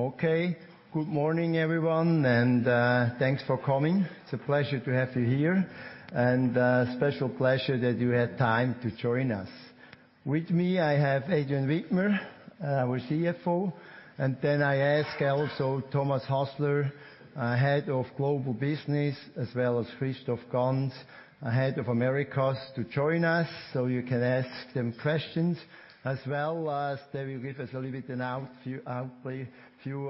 Okay. Good morning, everyone, and thanks for coming. It's a pleasure to have you here, and a special pleasure that you had time to join us. With me, I have Adrian Widmer, our CFO, and then I ask also Thomas Hasler, our Head of Global Business, as well as Christoph Ganz, Head of Americas, to join us so you can ask them questions as well as they will give us a little bit an outlay view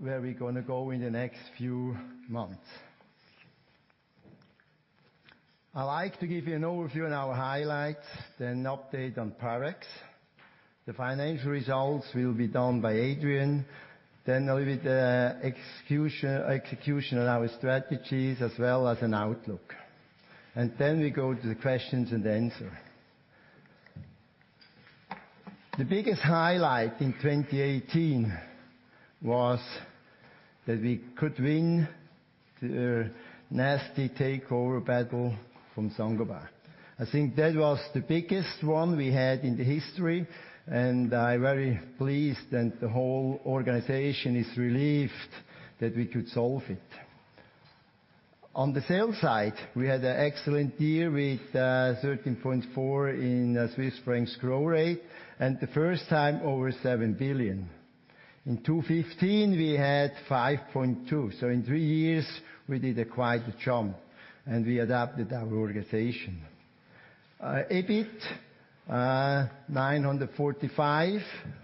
where we are going to go in the next few months. I would like to give you an overview on our highlights, then update on progress. The financial results will be done by Adrian. Then a little bit execution on our strategies as well as an outlook. Then we go to the questions and answer. The biggest highlight in 2018 was that we could win the nasty takeover battle from Saint-Gobain. I think that was the biggest one we had in the history, and I am very pleased and the whole organization is relieved that we could solve it. On the sales side, we had an excellent year with 13.4% in Swiss francs growth rate, and the first time over 7 billion. In 2015, we had 5.2%. So in three years, we did quite a jump, and we adapted our organization. EBIT 945,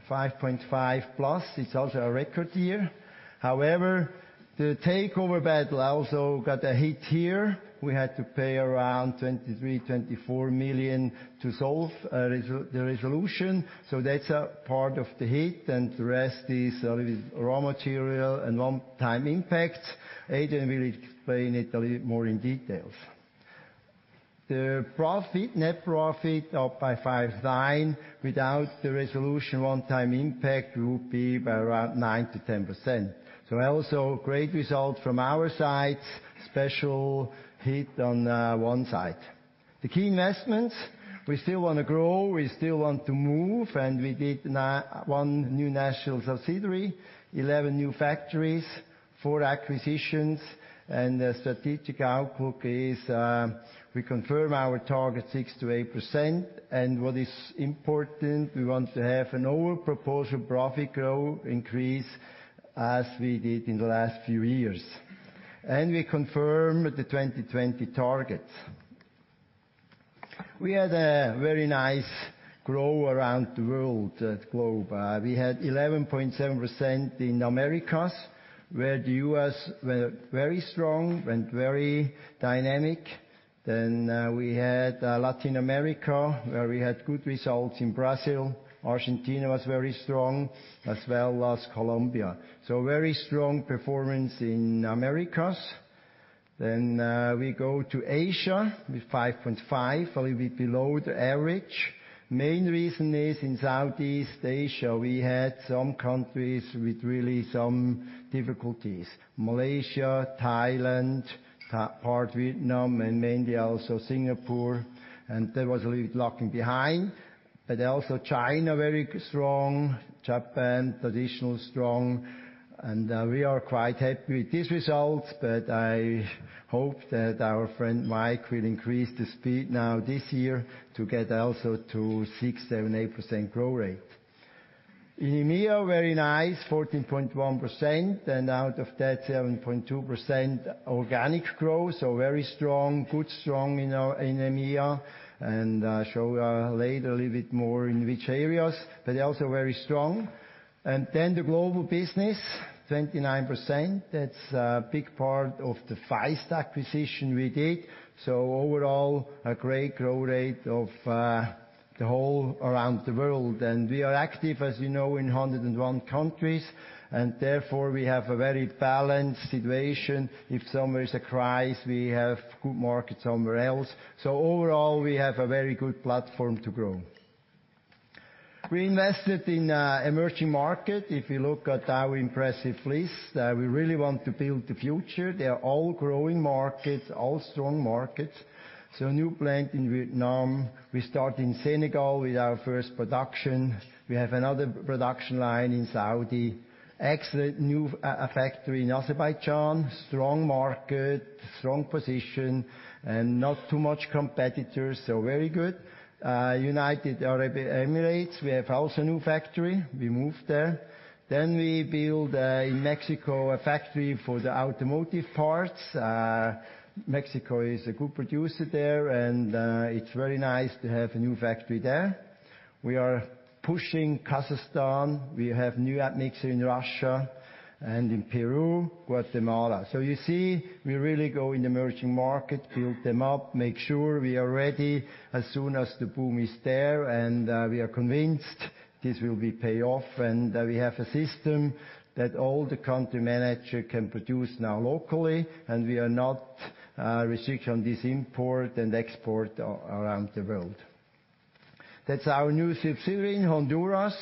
5.5%+. It's also a record year. However, the takeover battle also got a hit here. We had to pay around 23 million-24 million to solve the resolution. So that's a part of the hit, and the rest is a little bit raw material and one-time impact. Adrian will explain it a little more in details. The net profit up by 5.9%. Without the resolution one-time impact, it would be by around 9%-10%. So also great result from our side, special hit on one side. The key investments, we still want to grow, we still want to move, and we did one new national subsidiary, 11 new factories, four acquisitions, and the strategic outlook is we confirm our target 6%-8%, and what is important, we want to have an over-proposal profit growth increase as we did in the last few years. And we confirm the 2020 targets. We had a very nice grow around the world at global. We had 11.7% in Americas, where the U.S. were very strong and very dynamic. Then we had Latin America, where we had good results in Brazil. Argentina was very strong as well as Colombia. So very strong performance in Americas. Then we go to Asia with 5.5%, a little bit below the average. Main reason is in Southeast Asia, we had some countries with really some difficulties. Malaysia, Thailand, part Vietnam, and mainly also Singapore, and that was a little bit lacking behind. But also China, very strong. Japan, traditionally strong. And we are quite happy with this result, but I hope that our friend Mike will increase the speed now this year to get also to 6%, 7%, 8% growth rate. In EMEA, very nice, 14.1%, and out of that, 7.2% organic growth. So very strong, good strong in EMEA. And I show later a little bit more in which areas, but also very strong. And then the global business, 29%. That's a big part of the Faist acquisition we did. So overall, a great growth rate of the whole around the world. And we are active, as you know, in 101 countries, and therefore, we have a very balanced situation. If somewhere is a crisis, we have good market somewhere else. Overall, we have a very good platform to grow. We invested in emerging market. If you look at our impressive list, we really want to build the future. They are all growing markets, all strong markets. A new plant in Vietnam. We start in Senegal with our first production. We have another production line in Saudi. Excellent new factory in Azerbaijan. Strong market, strong position, and not too much competitors, so very good. United Arab Emirates, we have also a new factory. We moved there. We build in Mexico a factory for the automotive parts. Mexico is a good producer there, and it's very nice to have a new factory there. We are pushing Kazakhstan. We have new admixture in Russia and in Peru, Guatemala. You see, we really go in the emerging market, build them up, make sure we are ready as soon as the boom is there. We are convinced this will pay off. We have a system that all the country manager can produce now locally, and we are not restricted on this import and export around the world. That's our new subsidiary in Honduras,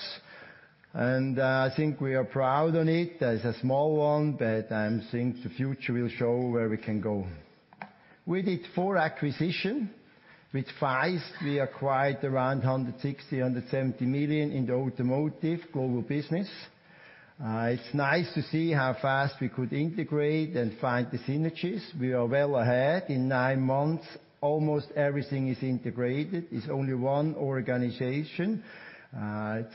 and I think we are proud of it. That is a small one, but I think the future will show where we can go. We did four acquisitions. With Faist, we acquired around 160 million-170 million in the automotive global business. It's nice to see how fast we could integrate and find the synergies. We are well ahead. In nine months, almost everything is integrated. It's only one organization.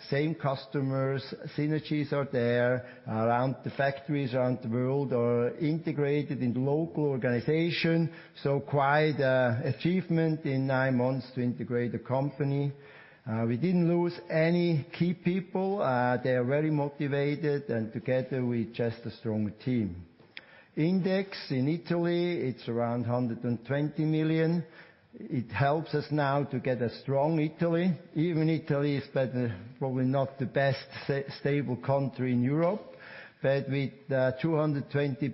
Same customers, synergies are there, around the factories, around the world, are integrated in the local organization. Quite an achievement in nine months to integrate the company. We didn't lose any key people. They are very motivated, and together we're just a stronger team. Index in Italy, it's around 120 million. It helps us now to get a strong Italy. Even Italy is probably not the best stable country in Europe, but with a 220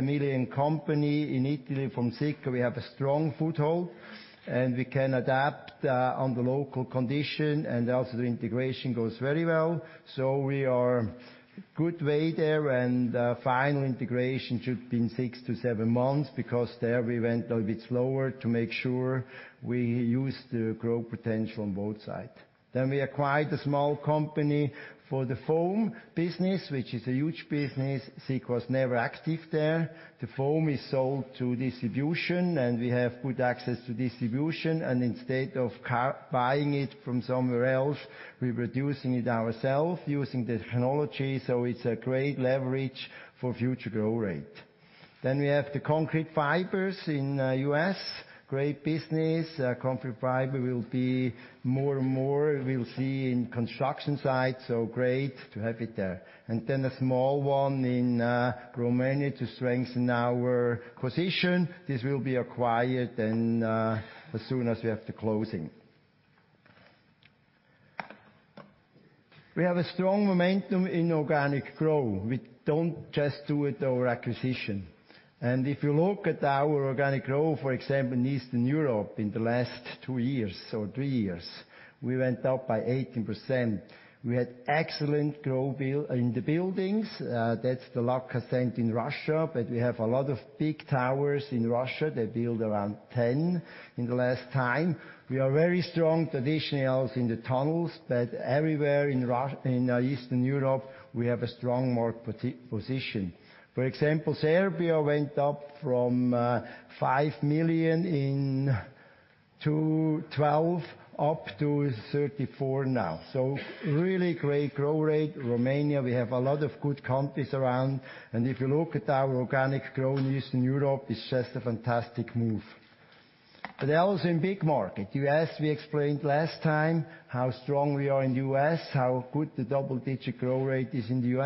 million company in Italy from Sika, we have a strong foothold, and we can adapt on the local condition and also the integration goes very well. We are good way there, and final integration should be in six to seven months because there we went a little bit slower to make sure we use the growth potential on both sides. We acquired a small company for the foam business, which is a huge business. Sika was never active there. The foam is sold to distribution, and we have good access to distribution. Instead of buying it from somewhere else, we're producing it ourselves using technology. It's a great leverage for future growth rate. We have the concrete fibers in the U.S., great business. Concrete fiber will be more and more, we will see in construction sites. Great to have it there. A small one in Romania to strengthen our position. This will be acquired then as soon as we have the closing. We have a strong momentum in organic growth. We don't just do it over acquisition. If you look at our organic growth, for example, in Eastern Europe in the last two years or three years, we went up by 18%. We had excellent growth in the buildings. That's the Lakhta Center in Russia, but we have a lot of big towers in Russia. They build around 10 in the last time. We are very strong traditionally also in the tunnels, but everywhere in Eastern Europe, we have a strong market position. For example, Serbia went up from 5 million in 2012 up to 34 million now. Really great growth rate. Romania, we have a lot of good countries around. If you look at our organic growth in Eastern Europe, it's just a fantastic move. Also in big market. U.S., we explained last time how strong we are in the U.S., how good the double-digit growth rate is in the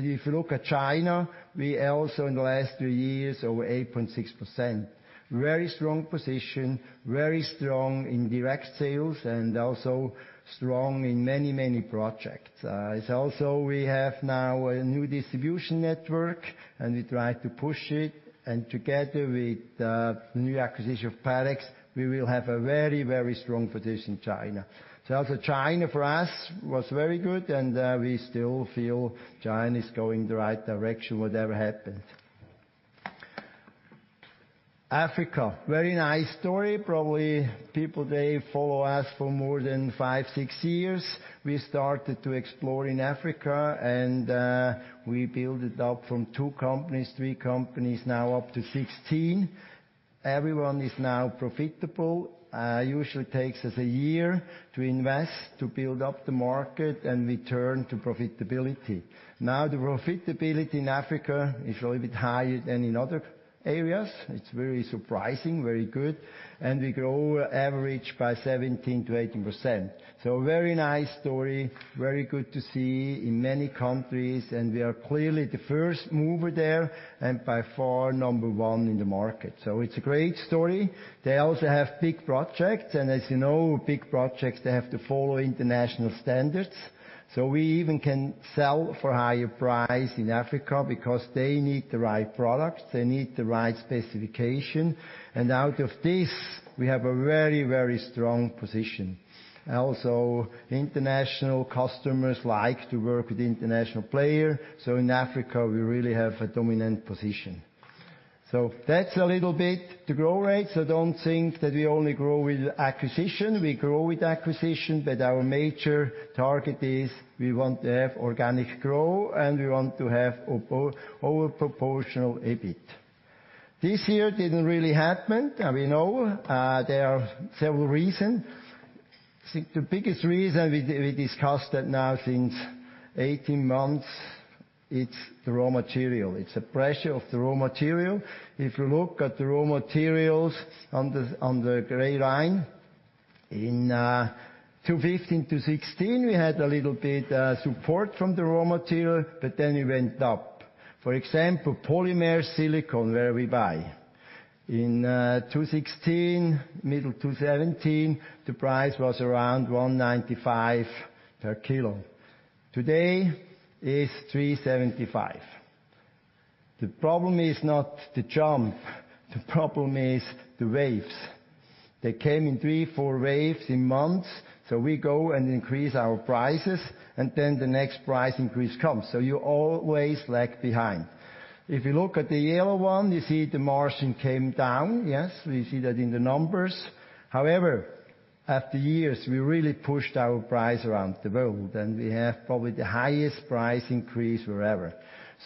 U.S. If you look at China, we also in the last three years are over 8.6%. Very strong position, very strong in direct sales, also strong in many, many projects. It's also we have now a new distribution network, we try to push it, together with the new acquisition of Parex, we will have a very, very strong position in China. Also China for us was very good, we still feel China is going the right direction, whatever happens. Africa, very nice story. Probably people, they follow us for more than five, six years. We started to explore in Africa, we build it up from two companies, three companies, now up to 16. Everyone is now profitable. Usually takes us a year to invest, to build up the market, and return to profitability. Now the profitability in Africa is a little bit higher than in other areas. It's very surprising, very good. We grow on average by 17%-18%. Very nice story. Very good to see in many countries. We are clearly the first mover there and by far number one in the market. It's a great story. They also have big projects, as you know, big projects, they have to follow international standards. We even can sell for a higher price in Africa because they need the right product. They need the right specification. Out of this, we have a very, very strong position. Also, international customers like to work with international player. In Africa, we really have a dominant position. That's a little bit the growth rate. Don't think that we only grow with acquisition. We grow with acquisition, but our major target is we want to have organic growth and we want to have over proportional EBIT. This year didn't really happen. We know. There are several reasons. I think the biggest reason we discussed that now since 18 months, it's the raw material. It's the pressure of the raw material. If you look at the raw materials on the gray line, in 2015, 2016, then we went up. For example, silicone polymer, where we buy. In 2016, middle of 2017, the price was around 195 per kilo. Today it's 375. The problem is not the jump, the problem is the waves. They came in three, four waves in months. We go and increase our prices, then the next price increase comes. You always lag behind. If you look at the yellow one, you see the margin came down. Yes, we see that in the numbers. After years, we really pushed our price around the world, and we have probably the highest price increase wherever.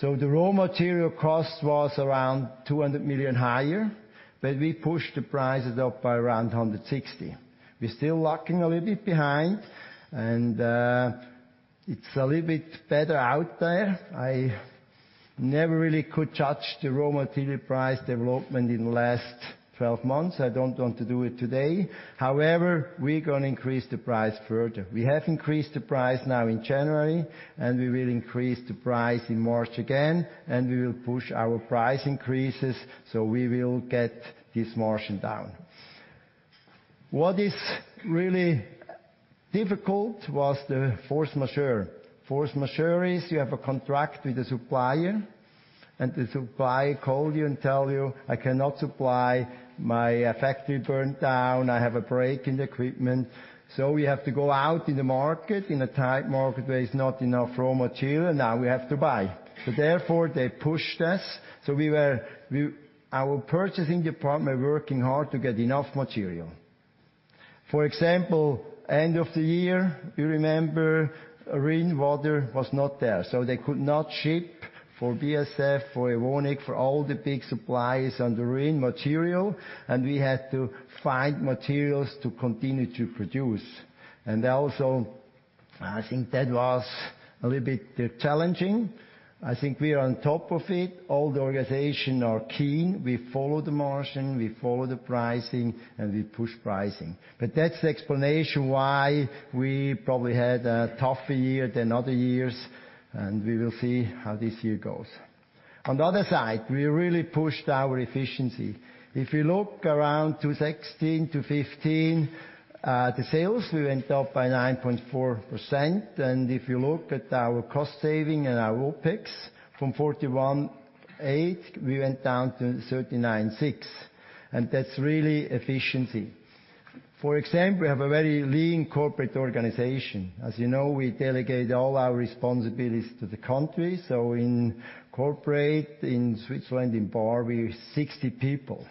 The raw material cost was around 200 million higher, but we pushed the prices up by around 160 million. We're still lagging a little bit behind, and it's a little bit better out there. I never really could judge the raw material price development in the last 12 months. I don't want to do it today. We're going to increase the price further. We have increased the price now in January, and we will increase the price in March again, and we will push our price increases, so we will get this margin down. What is really difficult was the force majeure. Force majeure is you have a contract with a supplier, and the supplier call you and tell you, "I cannot supply. My factory burned down. I have a break in the equipment." We have to go out in the market, in a tight market where it's not enough raw material, and now we have to buy. Therefore, they pushed us. Our purchasing department working hard to get enough material. For example, end of the year, you remember Rhine water was not there, so they could not ship for BASF, for Evonik, for all the big suppliers on the Rhine material, and we had to find materials to continue to produce. Also, I think that was a little bit challenging. I think we are on top of it. All the organization are keen. We follow the margin, we follow the pricing, and we push pricing. That's the explanation why we probably had a tougher year than other years, and we will see how this year goes. On the other side, we really pushed our efficiency. If you look around 2016 to 2015, the sales, we went up by 9.4%. If you look at our cost saving and our OpEx, from 418 million, we went down to 396 million. That's really efficiency. For example, we have a very lean corporate organization. As you know, we delegate all our responsibilities to the country. In corporate, in Switzerland, in Baar, we're 60 people.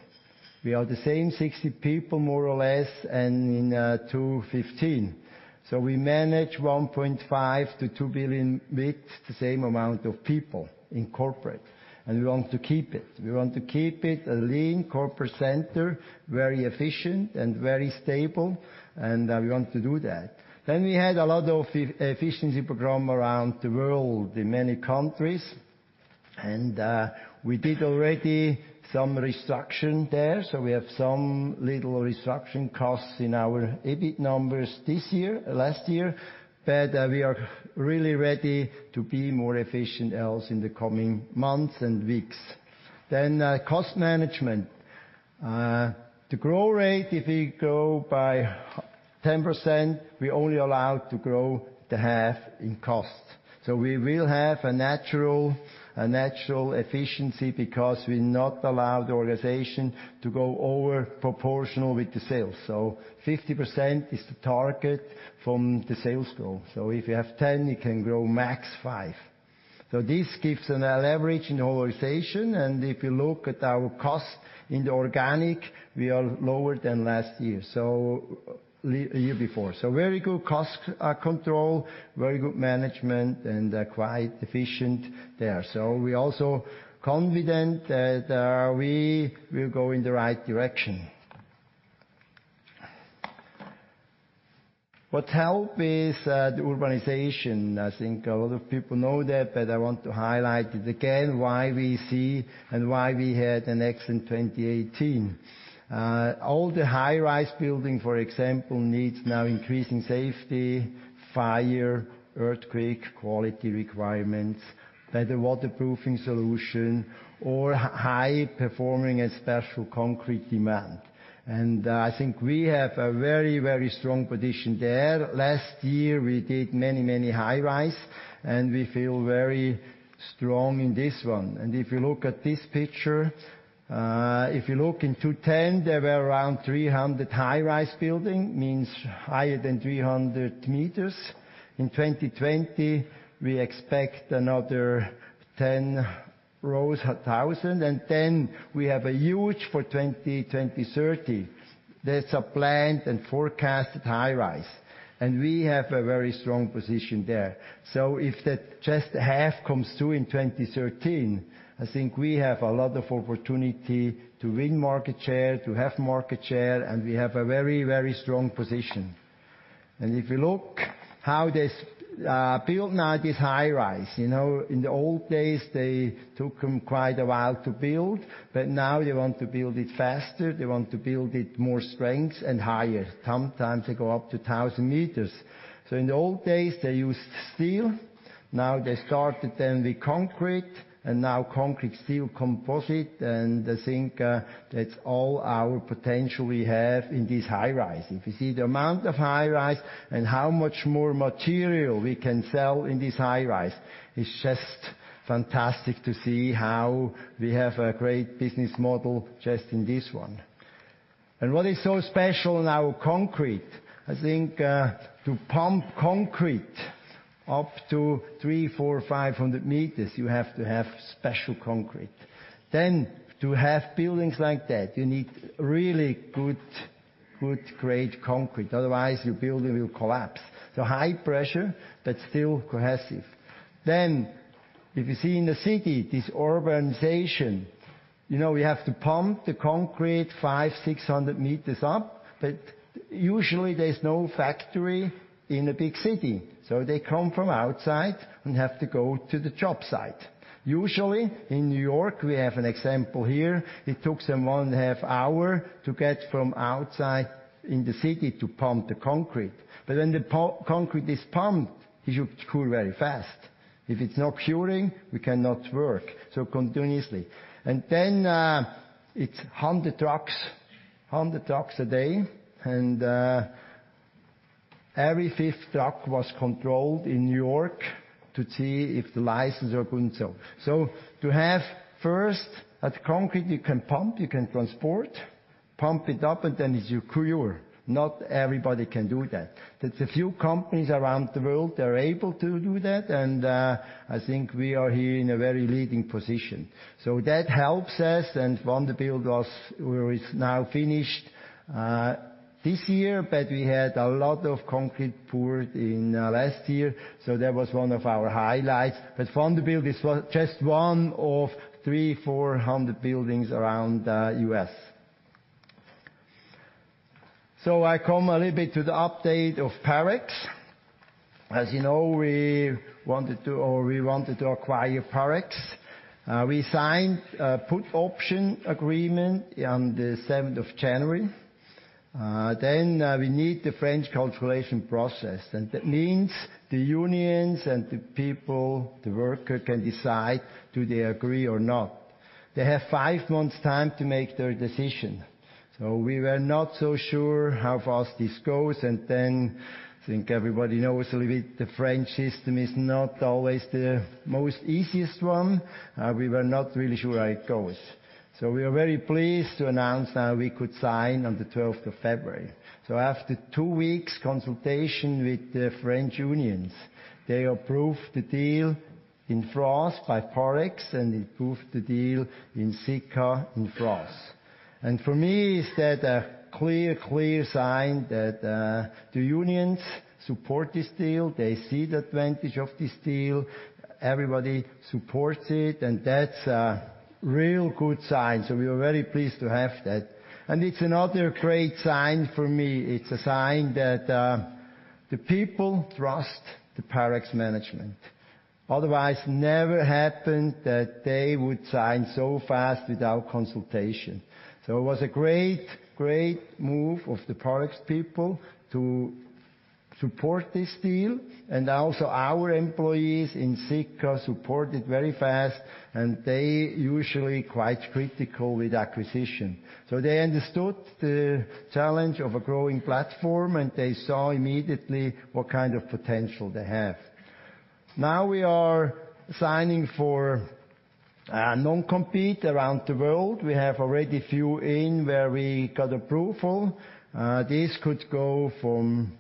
We are the same 60 people, more or less, in 2015. We manage 1.5 billion to 2 billion with the same amount of people in corporate, and we want to keep it. We want to keep it a lean corporate center, very efficient, and very stable, and we want to do that. We had a lot of efficiency program around the world in many countries. We did already some reduction there, so we have some little reduction costs in our EBIT numbers last year. We are really ready to be more efficient else in the coming months and weeks. Cost management. The growth rate, if we go by 10%, we only allow to grow the half in cost. We will have a natural efficiency because we not allow the organization to go over proportional with the sales. 50% is the target from the sales goal. If you have 10%, you can grow max 5%. This gives an leverage in the organization, and if you look at our cost in the organic, we are lower than last year. A year before. Very good cost control, very good management, and quite efficient there. We also confident that we will go in the right direction. What help is the urbanization. I think a lot of people know that, but I want to highlight it again, why we see and why we had an excellent 2018. All the high-rise building, for example, needs now increasing safety, fire, earthquake, quality requirements, better waterproofing solution or high-performing and special concrete demand. I think we have a very, very strong position there. Last year, we did many, many high-rise, and we feel very strong in this one. If you look at this picture, if you look in 2010, there were around 300 high-rise building, means higher than 300 meters. In 2020, we expect another 10 rows, a thousand. Then we have a huge for 2030. That's a planned and forecasted high-rise. We have a very strong position there. If that just half comes through in 2013, I think we have a lot of opportunity to win market share, to have market share, we have a very, very strong position. If you look how they build now this high-rise. In the old days, they took them quite a while to build. Now they want to build it faster. They want to build it more strength and higher. Sometimes they go up to 1,000 meters. In the old days, they used steel. Now they started then with concrete, now concrete steel composite, I think that's all our potential we have in this high-rise. If you see the amount of high-rise and how much more material we can sell in this high-rise, it's just fantastic to see how we have a great business model just in this one. What is so special in our concrete, I think, to pump concrete up to 300, 400, 500 meters, you have to have special concrete. To have buildings like that, you need really good, great concrete, otherwise your building will collapse. High pressure, but still cohesive. If you see in the city, this urbanization, we have to pump the concrete 500, 600 meters up, but usually there's no factory in a big city, so they come from outside and have to go to the job site. Usually, in New York, we have an example here, it took them one and a half hour to get from outside in the city to pump the concrete. When the concrete is pumped, it should cure very fast. If it's not curing, we cannot work, so continuously. Then, it's 100 trucks a day, and every fifth truck was controlled in New York to see if the license are good and so. To have first that concrete, you can pump, you can transport, pump it up, then it should cure. Not everybody can do that. There's a few companies around the world that are able to do that, I think we are here in a very leading position. That helps us, One Vanderbilt was, well, is now finished this year, but we had a lot of concrete poured in last year, so that was one of our highlights. One Vanderbilt is just one of 300, 400 buildings around the U.S. I come a little bit to the update of Parex. As you know, we wanted to acquire Parex. We signed a put option agreement on the 7th of January. We need the French consultation process. That means the unions and the people, the worker can decide, do they agree or not? They have five months' time to make their decision. We were not so sure how fast this goes, I think everybody knows a little bit, the French system is not always the most easiest one. We were not really sure how it goes. We are very pleased to announce that we could sign on the 12th of February. After two weeks consultation with the French unions, they approved the deal in France by Parex and approved the deal in Sika in France. For me, it's that a clear sign that the unions support this deal. They see the advantage of this deal. Everybody supports it, that's a real good sign. We are very pleased to have that. It's another great sign for me. It's a sign that the people trust the Parex management. Otherwise, never happened that they would sign so fast without consultation. It was a great move of the Parex people to support this deal and also our employees in Sika support it very fast, they usually quite critical with acquisition. They understood the challenge of a growing platform, they saw immediately what kind of potential they have. Now we are signing for a non-compete around the world. We have already few in where we got approval. This could go from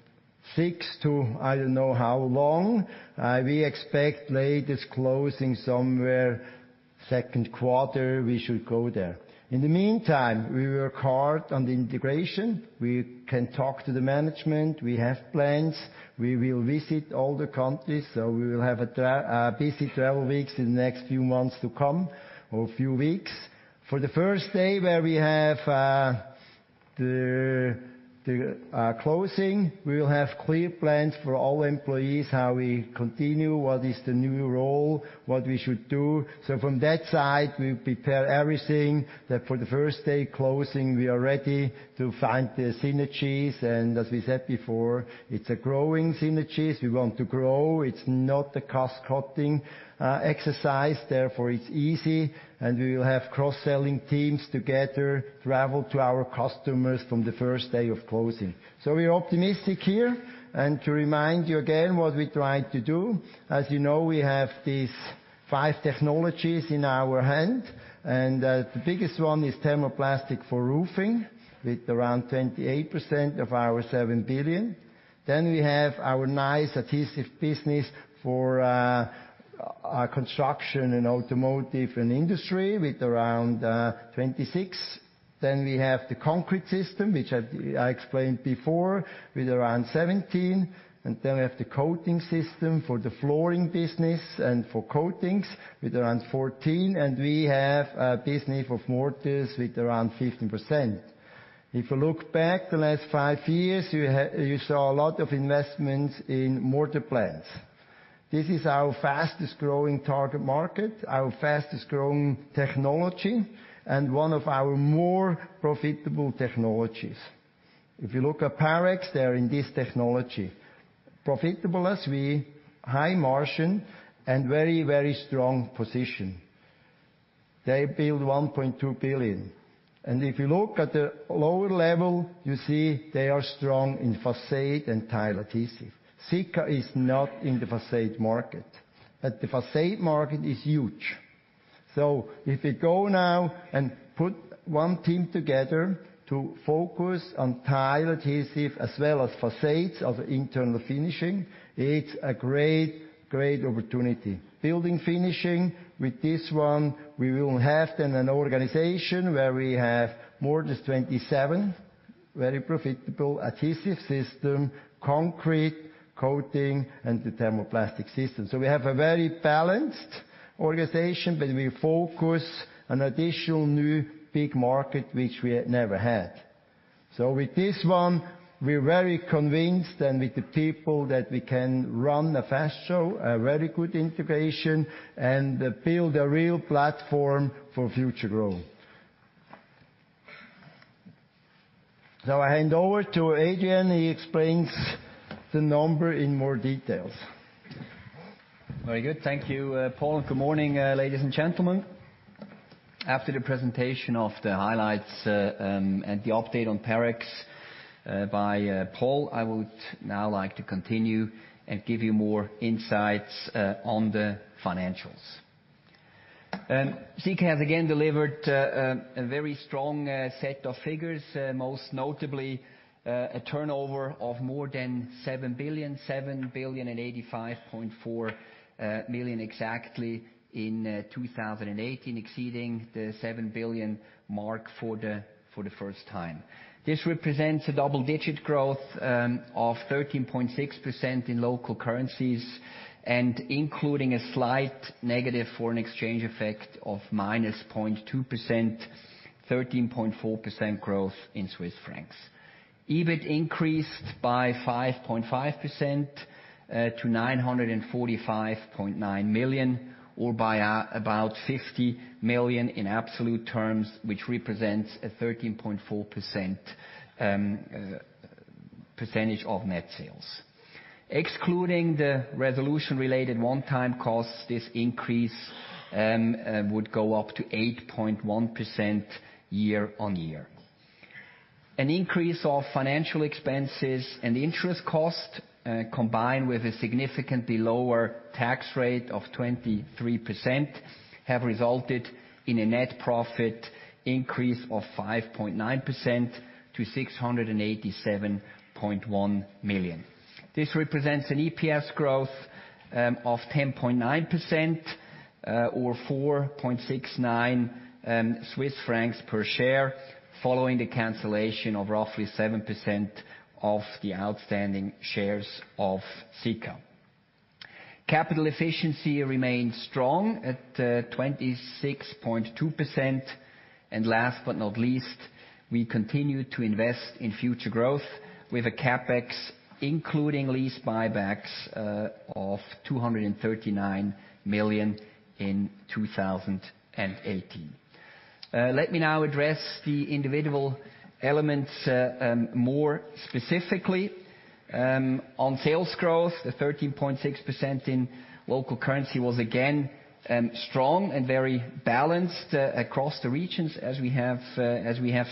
six to I don't know how long. We expect latest closing somewhere second quarter, we should go there. In the meantime, we work hard on the integration. We can talk to the management. We have plans. We will visit all the countries, we will have busy travel weeks in the next few months to come or few weeks. For the first day where we have the closing, we will have clear plans for all employees, how we continue, what is the new role, what we should do. From that side, we prepare everything that for the first-day closing, we are ready to find the synergies, as we said before, it's a growing synergies. We want to grow. It's not a cost-cutting exercise. Therefore, it's easy, we will have cross-selling teams together travel to our customers from the first day of closing. We are optimistic here. To remind you again what we're trying to do, as you know, we have these five technologies in our hand, the biggest one is thermoplastic for roofing with around 28% of our 7 billion. We have our nice adhesive business for our construction in automotive and industry with around 26%. We have the concrete system, which I explained before, with around 17%. We have the coating system for the flooring business and for coatings with around 14%. We have a business of mortars with around 15%. If you look back the last five years, you saw a lot of investments in mortar plants. This is our fastest-growing target market, our fastest-growing technology, one of our more profitable technologies. If you look at Parex, they are in this technology. Profitable as we, high margin, very strong position. They build 1.2 billion. If you look at the lower level, you see they are strong in façade and tile adhesive. Sika is not in the façade market. The façade market is huge. If we go now and put one team together to focus on tile adhesive as well as façades of internal finishing, it's a great opportunity. Building finishing, with this one, we will have then an organization where we have more than 27 very profitable adhesive system, concrete, coating, and the thermoplastic system. We have a very balanced organization, but we focus on additional new big market, which we never had. With this one, we're very convinced and with the people that we can run a fast show, a very good integration, and build a real platform for future growth. Now I hand over to Adrian. He explains the number in more details. Very good. Thank you, Paul, and good morning, ladies and gentlemen. After the presentation of the highlights, and the update on Parex, by Paul, I would now like to continue and give you more insights on the financials. Sika has again delivered a very strong set of figures, most notably a turnover of more than 7 billion. 7,085,400,000 exactly in 2018, exceeding the 7 billion mark for the first time. This represents a double-digit growth of 13.6% in local currencies, and including a slight negative foreign exchange effect of -2%, 13.4% growth in Swiss francs. EBIT increased by 5.5% to 945.9 million, or by about 50 million in absolute terms, which represents a 13.4% percentage of net sales. Excluding the resolution-related one-time costs, this increase would go up to 8.1% year-over-year. An increase of financial expenses and interest cost, combined with a significantly lower tax rate of 23%, have resulted in a net profit increase of 5.9% to 687.1 million. This represents an EPS growth of 10.9%, or 4.69 Swiss francs per share, following the cancellation of roughly 7% of the outstanding shares of Sika. Capital efficiency remains strong at 26.2%. Last but not least, we continue to invest in future growth with a CapEx, including lease buybacks of 239 million in 2018. Let me now address the individual elements more specifically. On sales growth, the 13.6% in local currency was again strong and very balanced across the regions as we have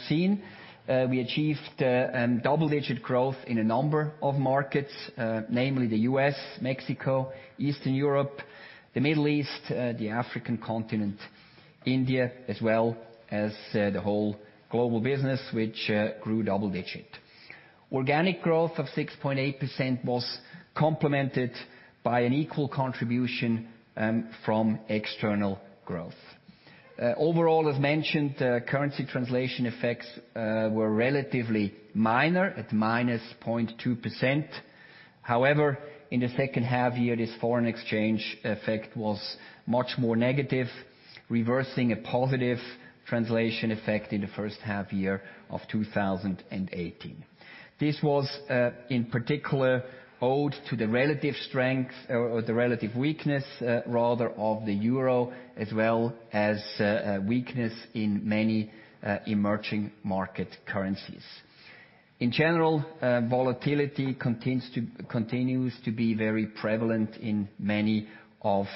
seen. We achieved double-digit growth in a number of markets, namely the U.S., Mexico, Eastern Europe, the Middle East, the African continent, India, as well as the whole global business, which grew double digit. Organic growth of 6.8% was complemented by an equal contribution from external growth. Overall, as mentioned, currency translation effects were relatively minor at -2%. However, in the second half year, this foreign exchange effect was much more negative, reversing a positive translation effect in the first half year of 2018. This was in particular owed to the relative weakness of the euro, as well as weakness in many emerging market currencies. In general, volatility continues to be very prevalent in many of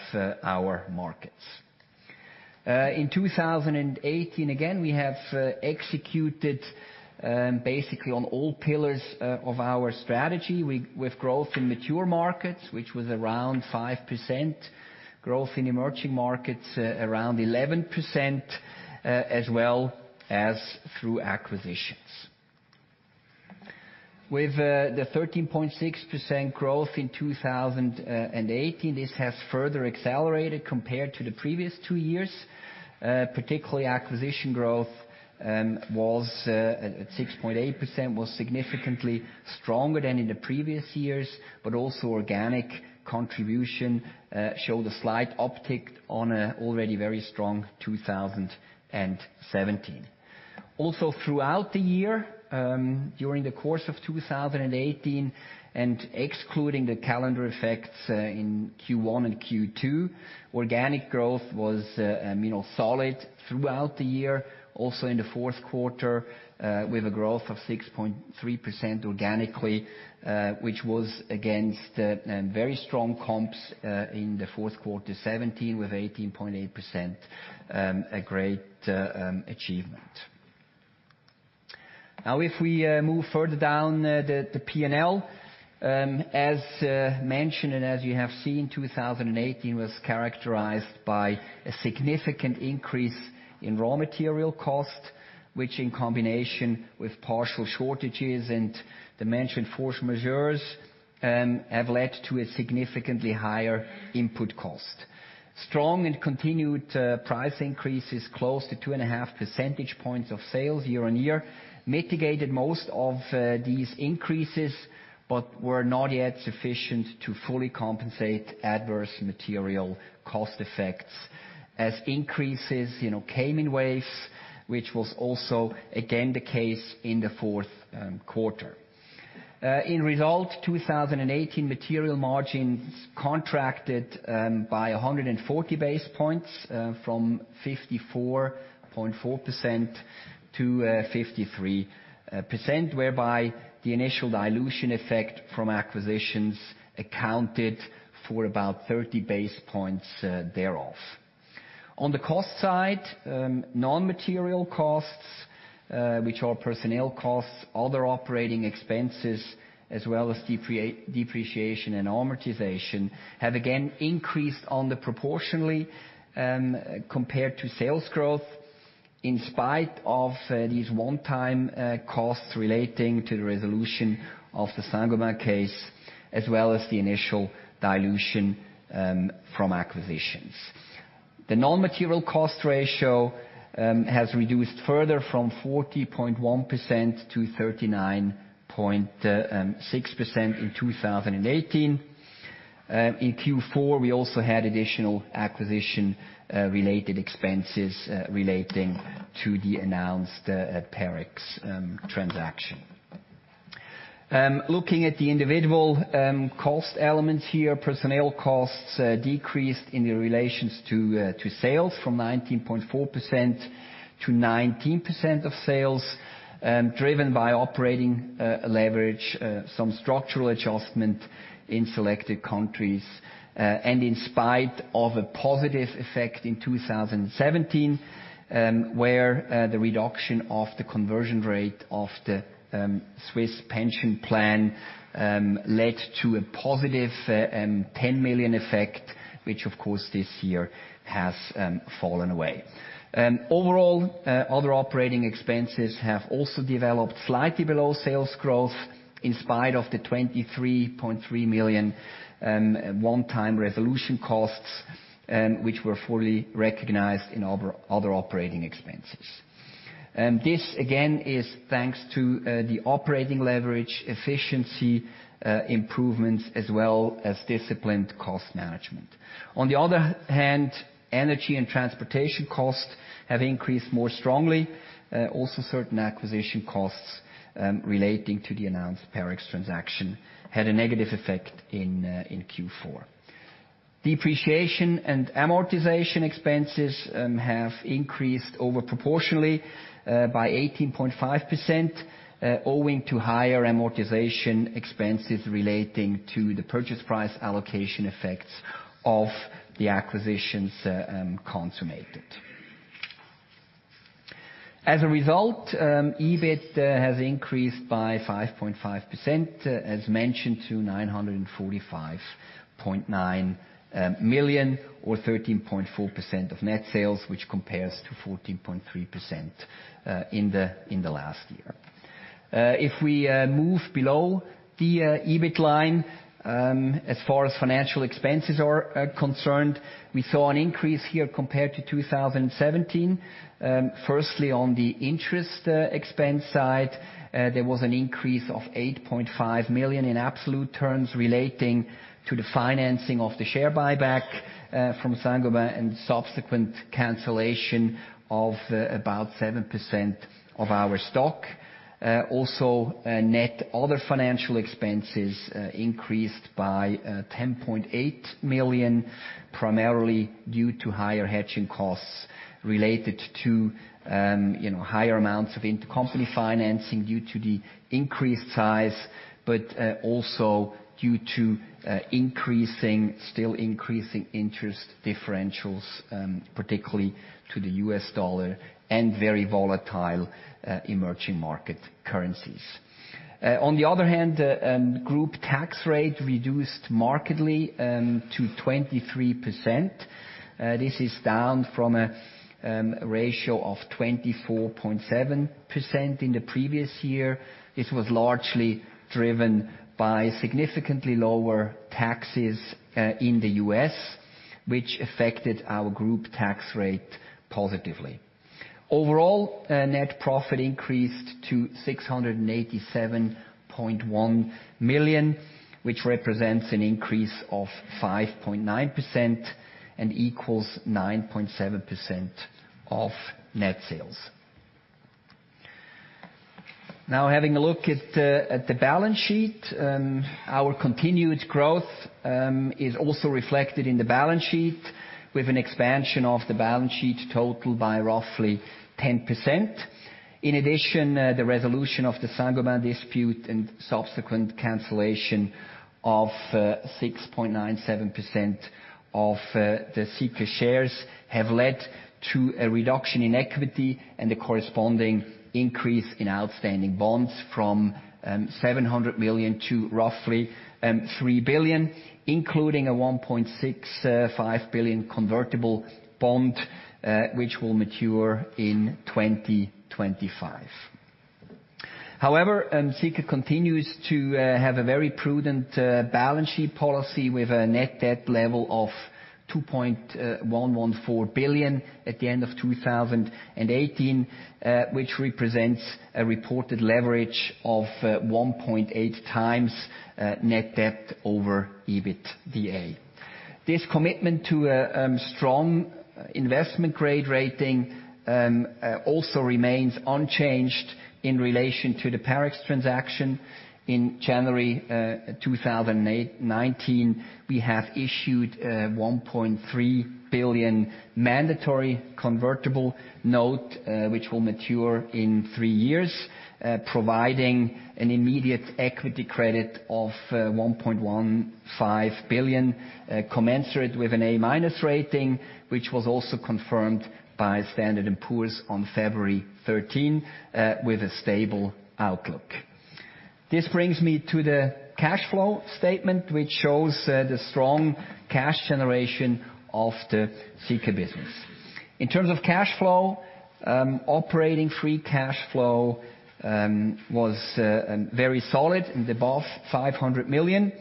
our markets. In 2018, again, we have executed basically on all pillars of our strategy. With growth in mature markets, which was around 5%, growth in emerging markets around 11%, as well as through acquisitions. With the 13.6% growth in 2018, this has further accelerated compared to the previous two years. Particularly acquisition growth at 6.8% was significantly stronger than in the previous years, also organic contribution showed a slight uptick on an already very strong 2017. Also throughout the year, during the course of 2018, and excluding the calendar effects in Q1 and Q2, organic growth was solid throughout the year, also in the fourth quarter, with a growth of 6.3% organically, which was against very strong comps in the fourth quarter 2017 with 18.8%, a great achievement. Now, if we move further down the P&L, as mentioned, and as you have seen, 2018 was characterized by a significant increase in raw material cost, which in combination with partial shortages and the mentioned force majeure, have led to a significantly higher input cost. Strong continued price increases close to 2.5 percentage points of sales year-over-year mitigated most of these increases, were not yet sufficient to fully compensate adverse material cost effects as increases came in waves, which was also again the case in the fourth quarter. In result, 2018 material margins contracted by 140 basis points from 54.4% to 53%, whereby the initial dilution effect from acquisitions accounted for about 30 basis points thereof. On the cost side, non-material costs, which are personnel costs, other operating expenses, as well as depreciation and amortization, have again increased under proportionally compared to sales growth in spite of these one-time costs relating to the resolution of the Saint-Gobain case, as well as the initial dilution from acquisitions. The non-material cost ratio has reduced further from 40.1% to 39.6% in 2018. In Q4, we also had additional acquisition related expenses relating to the announced Parex transaction. Looking at the individual cost elements here, personnel costs decreased in relations to sales from 19.4% to 19% of sales, driven by operating leverage, some structural adjustment in selected countries, and in spite of a positive effect in 2017, where the reduction of the conversion rate of the Swiss pension plan led to a +10 million effect, which of course this year has fallen away. Overall, other operating expenses have also developed slightly below sales growth in spite of the 23.3 million one-time resolution costs, which were fully recognized in other operating expenses. This again is thanks to the operating leverage efficiency improvements as well as disciplined cost management. On the other hand, energy and transportation costs have increased more strongly. Also certain acquisition costs relating to the announced Parex transaction had a negative effect in Q4. Depreciation and amortization expenses have increased over proportionally by 18.5%, owing to higher amortization expenses relating to the purchase price allocation effects of the acquisitions consummated. As a result, EBIT has increased by 5.5%, as mentioned, to 945.9 million or 13.4% of net sales, which compares to 14.3% in the last year. If we move below the EBIT line, as far as financial expenses are concerned, we saw an increase here compared to 2017. Firstly, on the interest expense side, there was an increase of 8.5 million in absolute terms relating to the financing of the share buyback from Saint-Gobain and subsequent cancellation of about 7% of our stock. Net other financial expenses increased by 10.8 million, primarily due to higher hedging costs related to higher amounts of intercompany financing due to the increased size, but also due to still increasing interest differentials, particularly to the U.S. dollar and very volatile emerging market currencies. On the other hand, group tax rate reduced markedly to 23%. This is down from a ratio of 24.7% in the previous year. This was largely driven by significantly lower taxes in the U.S., which affected our group tax rate positively. Overall, net profit increased to 687.1 million, which represents an increase of 5.9% and equals 9.7% of net sales. Now, having a look at the balance sheet. Our continued growth is also reflected in the balance sheet. With an expansion of the balance sheet total by roughly 10%. The resolution of the Saint-Gobain dispute and subsequent cancellation of 6.97% of the Sika shares have led to a reduction in equity and a corresponding increase in outstanding bonds from 700 million to roughly 3 billion, including a 1.65 billion convertible bond, which will mature in 2025. However, Sika continues to have a very prudent balance sheet policy with a net debt level of 2.114 billion at the end of 2018, which represents a reported leverage of 1.8x net debt over EBITDA. This commitment to a strong investment grade rating also remains unchanged in relation to the Parex transaction. In January 2019, we have issued a 1.3 billion mandatory convertible note, which will mature in three years, providing an immediate equity credit of 1.15 billion commensurate with an A-minus rating, which was also confirmed by Standard & Poor's on February 13 with a stable outlook. This brings me to the cash flow statement, which shows the strong cash generation of the Sika business. In terms of cash flow, operating free cash flow was very solid and above 500 million,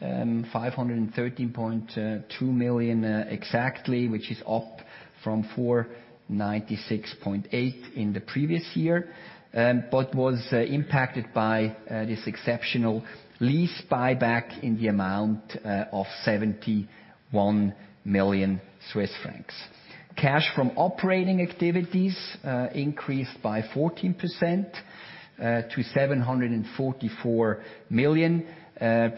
513.2 million exactly, which is up from 496.8 million in the previous year, but was impacted by this exceptional lease buyback in the amount of 71 million Swiss francs. Cash from operating activities increased by 14% to 744 million,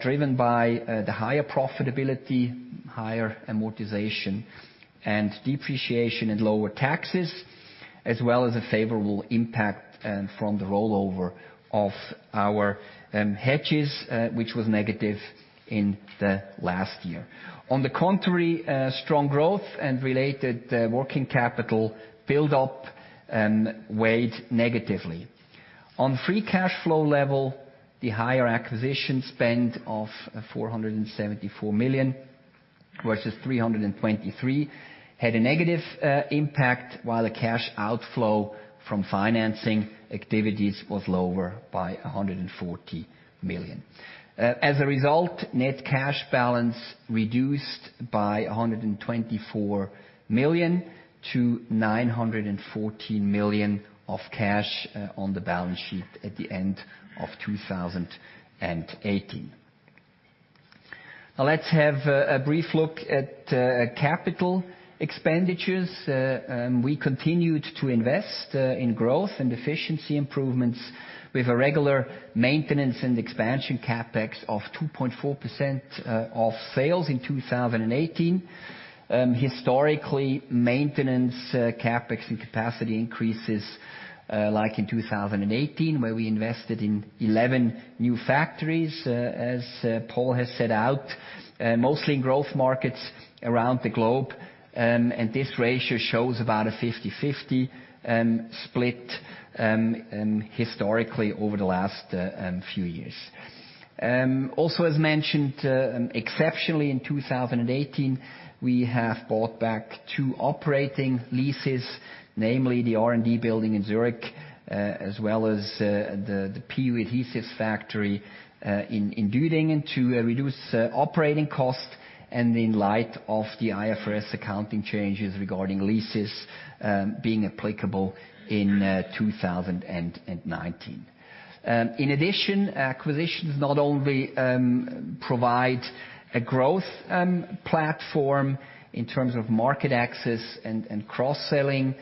driven by the higher profitability, higher amortization and depreciation and lower taxes, as well as a favorable impact from the rollover of our hedges, which was negative in the last year. Strong growth and related working capital build-up weighed negatively. On free cash flow level, the higher acquisition spend of 474 million versus 323 million had a negative impact while the cash outflow from financing activities was lower by 140 million. Net cash balance reduced by 124 million to 914 million of cash on the balance sheet at the end of 2018. Let's have a brief look at capital expenditures. We continued to invest in growth and efficiency improvements with a regular maintenance and expansion CapEx of 2.4% of sales in 2018. Historically, maintenance CapEx and capacity increases like in 2018, where we invested in 11 new factories, as Paul has set out, mostly in growth markets around the globe. This ratio shows about a 50/50 split historically over the last few years. As mentioned, exceptionally in 2018, we have bought back two operating leases, namely the R&D building in Zurich, as well as the PU adhesives factory in Düdingen to reduce operating costs and in light of the IFRS accounting changes regarding leases being applicable in 2019. In addition, acquisitions not only provide a growth platform in terms of market access and cross-selling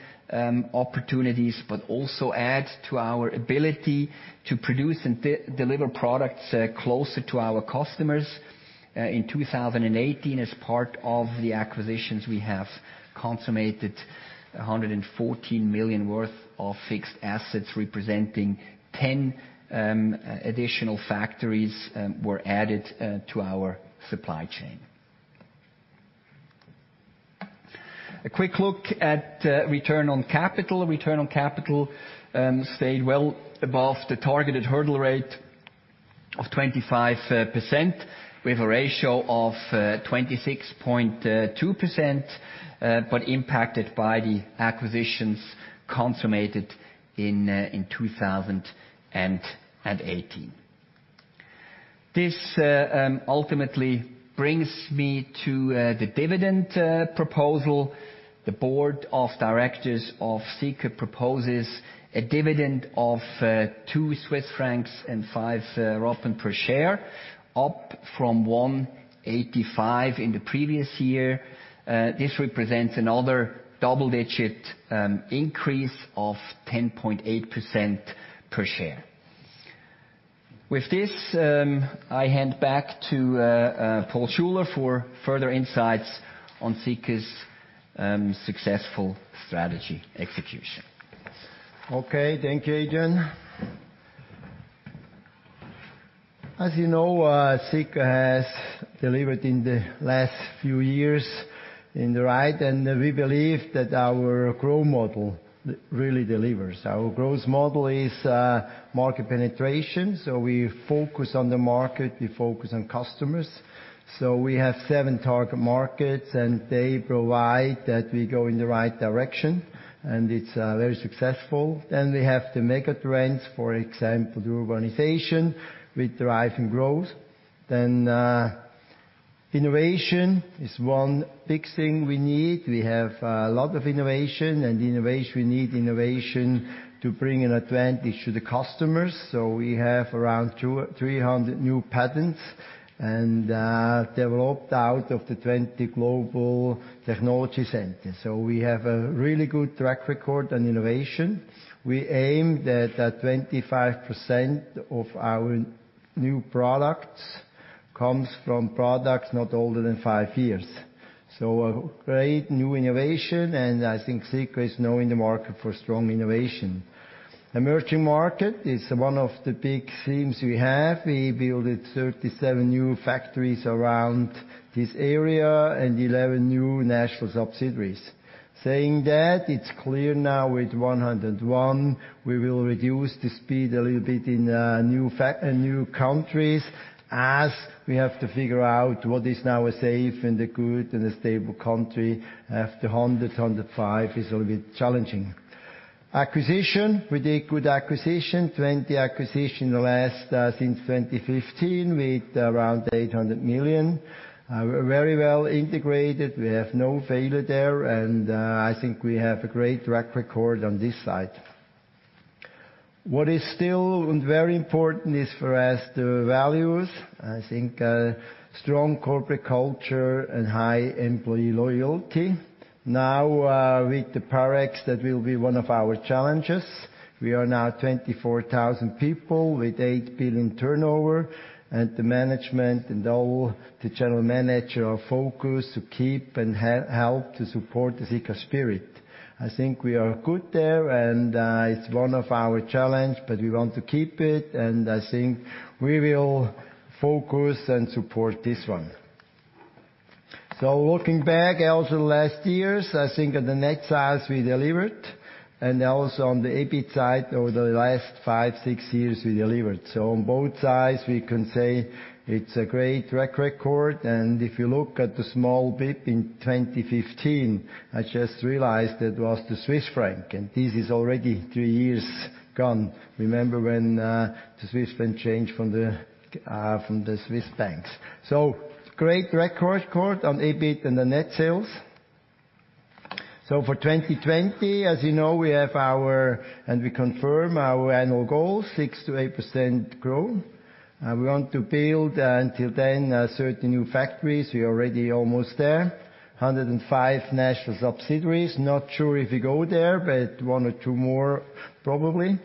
opportunities, but also add to our ability to produce and deliver products closer to our customers. In 2018, as part of the acquisitions, we have consummated 114 million worth of fixed assets, representing 10 additional factories were added to our supply chain. A quick look at return on capital. Return on capital stayed well above the targeted hurdle rate of 25% with a ratio of 26.2%, but impacted by the acquisitions consummated in 2018. This ultimately brings me to the dividend proposal. The board of directors of Sika proposes a dividend of 2.05 Swiss francs per share, up from 1.85 in the previous year. This represents another double-digit increase of 10.8% per share. With this, I hand back to Paul Schuler for further insights on Sika's successful strategy execution. Okay. Thank you, Adrian. As you know, Sika has delivered in the last few years in the right, and we believe that our growth model really delivers. Our growth model is market penetration. We focus on the market, we focus on customers. We have seven target markets, and they provide that we go in the right direction, and it's very successful. We have the mega trends, for example, the urbanization, with thriving growth. Innovation is one big thing we need. We have a lot of innovation, and we need innovation to bring an advantage to the customers. We have around 300 new patents and developed out of the 20 global technology centers. We have a really good track record on innovation. We aim that 25% of our new products comes from products not older than five years. A great new innovation, and I think Sika is known in the market for strong innovation. Emerging market is one of the big themes we have. We built 37 new factories around this area and 11 new national subsidiaries. Saying that, it's clear now with 101, we will reduce the speed a little bit in new countries, as we have to figure out what is now a safe and a good and a stable country. After 100, 105 is a little bit challenging. Acquisition. We did good acquisitions, 20 acquisitions since 2015, with around 800 million. Very well integrated. We have no failure there, and I think we have a great track record on this side. What is still very important is for us the values. I think strong corporate culture and high employee loyalty. Now, with the Parex, that will be one of our challenges. We are now 24,000 people with 8 billion turnover, and the management and all the general manager are focused to keep and help to support the Sika spirit. I think we are good there and it's one of our challenge, but we want to keep it, and I think we will focus and support this one. Looking back also last years, I think at the net sales we delivered, and also on the EBIT side over the last five, six years we delivered. On both sides we can say it's a great track record. If you look at the small dip in 2015, I just realized it was the Swiss franc, and this is already three years gone. Remember when the Swiss franc changed from the Swiss banks. Great track record on EBIT and the net sales. For 2020, as you know, we have our, and we confirm our annual goal, 6%-8% growth. We want to build until then, certain new factories. We are already almost there. 105 national subsidiaries. Not sure if we go there, but one or two more probably.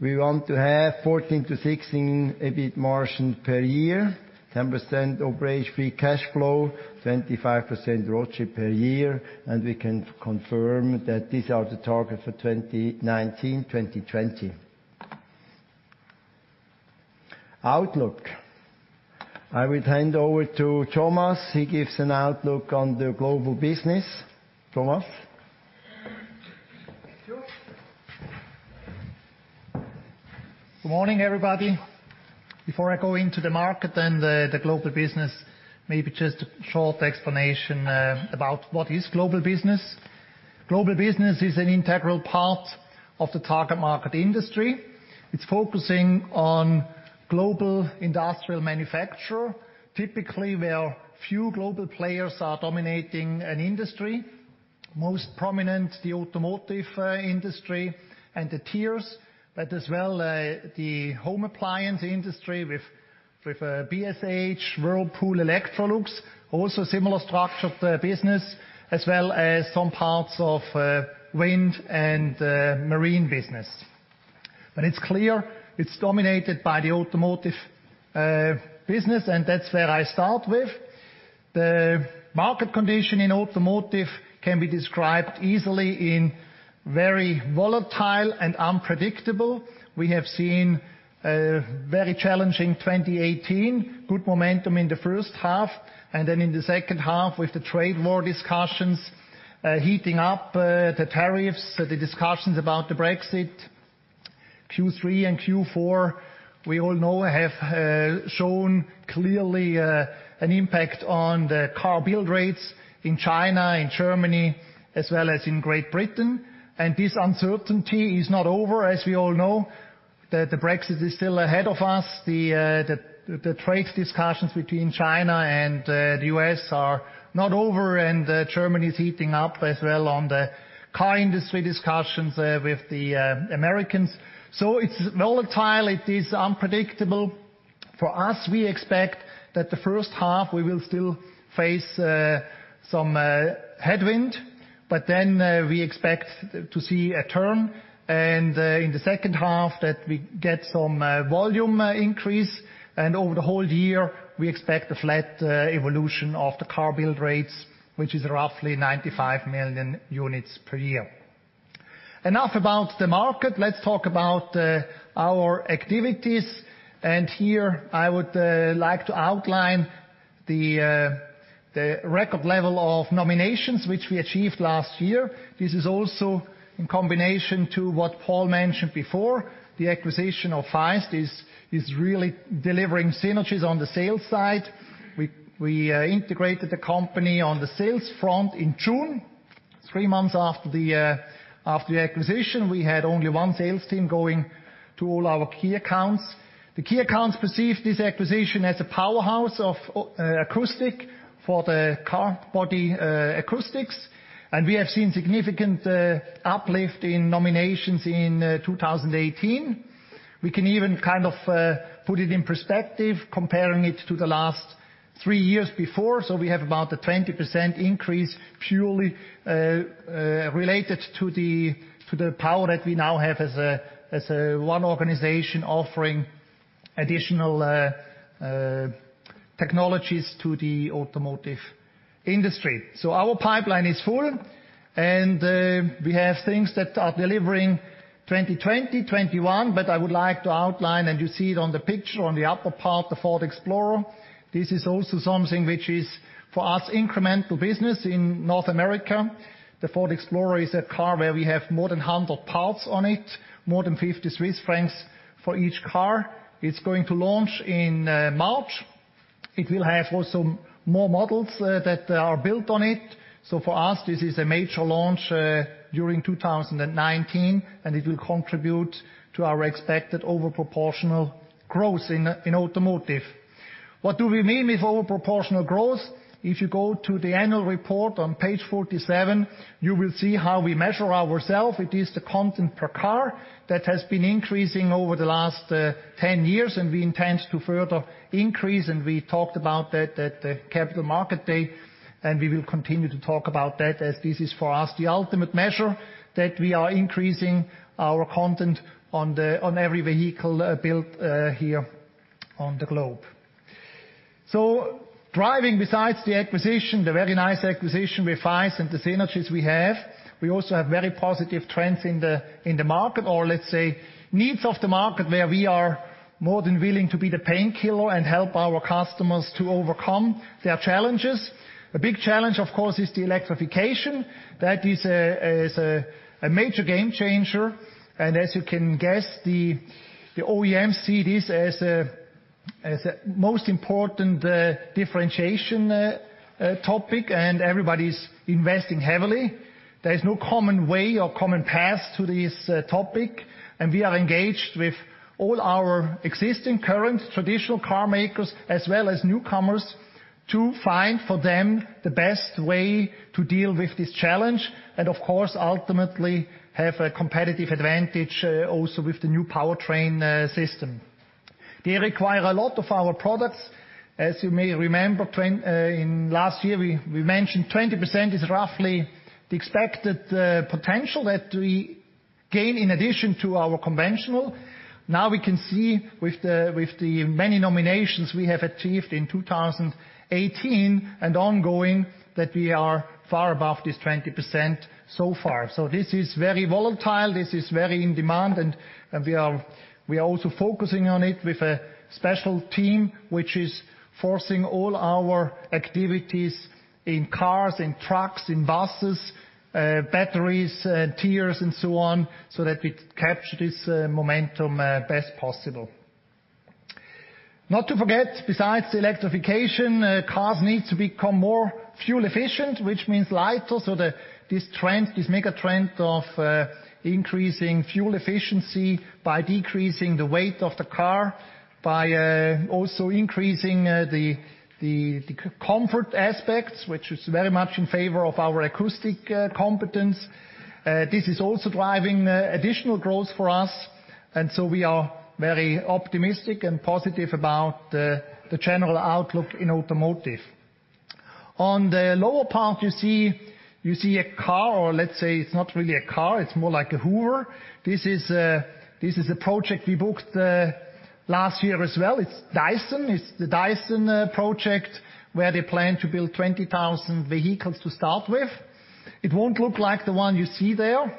We want to have 14%-16% EBIT margin per year, 10% operating free cash flow, 25% ROCE per year, and we can confirm that these are the target for 2019, 2020. Outlook. I will hand over to Thomas. He gives an outlook on the global business. Thomas? Good morning, everybody. Before I go into the market and the global business, maybe just a short explanation about what is global business. Global business is an integral part of the target market industry. It is focusing on global industrial manufacturer, typically where few global players are dominating an industry. Most prominent, the automotive industry and the tiers, but as well, the home appliance industry with BSH, Whirlpool, Electrolux, also similar structure of the business, as well as some parts of wind and marine business. It is clear it is dominated by the automotive business, and that is where I start with. The market condition in automotive can be described easily in very volatile and unpredictable. We have seen a very challenging 2018. Good momentum in the first half, and then in the second half with the trade war discussions heating up, the tariffs, the discussions about the Brexit. Q3 and Q4, we all know, have shown clearly an impact on the car build rates in China, in Germany, as well as in Great Britain. This uncertainty is not over. As we all know, the Brexit is still ahead of us. The trade discussions between China and the U.S. are not over, and Germany is heating up as well on the car industry discussions with the Americans. It is volatile, it is unpredictable. For us, we expect that the first half, we will still face some headwind, but then we expect to see a turn, and in the second half, that we get some volume increase, and over the whole year, we expect a flat evolution of the car build rates, which is roughly 95 million units per year. Enough about the market. Let us talk about our activities. Here I would like to outline the record level of nominations which we achieved last year. This is also in combination to what Paul mentioned before. The acquisition of Faist is really delivering synergies on the sales side. We integrated the company on the sales front in June. Three months after the acquisition, we had only one sales team going to all our key accounts. The key accounts perceive this acquisition as a powerhouse of acoustic for the car body acoustics, and we have seen significant uplift in nominations in 2018. We can even put it in perspective, comparing it to the last three years before. We have about a 20% increase purely related to the power that we now have as one organization offering additional technologies to the automotive industry. Our pipeline is full, and we have things that are delivering 2020, 2021. I would like to outline, and you see it on the picture on the upper part, the Ford Explorer. This is also something which is, for us, incremental business in North America. The Ford Explorer is a car where we have more than 100 parts on it, more than 50 Swiss francs for each car. It's going to launch in March. It will have also more models that are built on it. For us, this is a major launch during 2019, and it will contribute to our expected over-proportional growth in automotive. What do we mean with over-proportional growth? If you go to the annual report on page 47, you will see how we measure ourselves. It is the content per car that has been increasing over the last 10 years, and we intend to further increase, and we talked about that at the Capital Markets Day, and we will continue to talk about that, as this is, for us, the ultimate measure, that we are increasing our content on every vehicle built here on the globe. Driving besides the acquisition, the very nice acquisition with Faist and the synergies we have, we also have very positive trends in the market, or let's say, needs of the market where we are more than willing to be the painkiller and help our customers to overcome their challenges. A big challenge, of course, is the electrification. That is a major game changer, and as you can guess, the OEMs see this as a most important differentiation topic, and everybody's investing heavily. There is no common way or common path to this topic, and we are engaged with all our existing current traditional car makers, as well as newcomers, to find for them the best way to deal with this challenge and, of course, ultimately have a competitive advantage also with the new powertrain system. They require a lot of our products. As you may remember, last year, we mentioned 20% is roughly the expected potential that we gain in addition to our conventional. We can see with the many nominations we have achieved in 2018 and ongoing, that we are far above this 20% so far. This is very volatile. This is very in demand, and we are also focusing on it with a special team, which is forcing all our activities in cars, in trucks, in buses, batteries, tiers and so on, so that we capture this momentum best possible. Not to forget, besides the electrification, cars need to become more fuel efficient, which means lighter, so this mega trend of increasing fuel efficiency by decreasing the weight of the car, by also increasing the comfort aspects, which is very much in favor of our acoustic competence. This is also driving additional growth for us, and we are very optimistic and positive about the general outlook in automotive. On the lower part, you see a car, or let's say it's not really a car, it's more like a Hoover. This is a project we booked last year as well. It's Dyson. It's the Dyson project, where they plan to build 20,000 vehicles to start with. It won't look like the one you see there.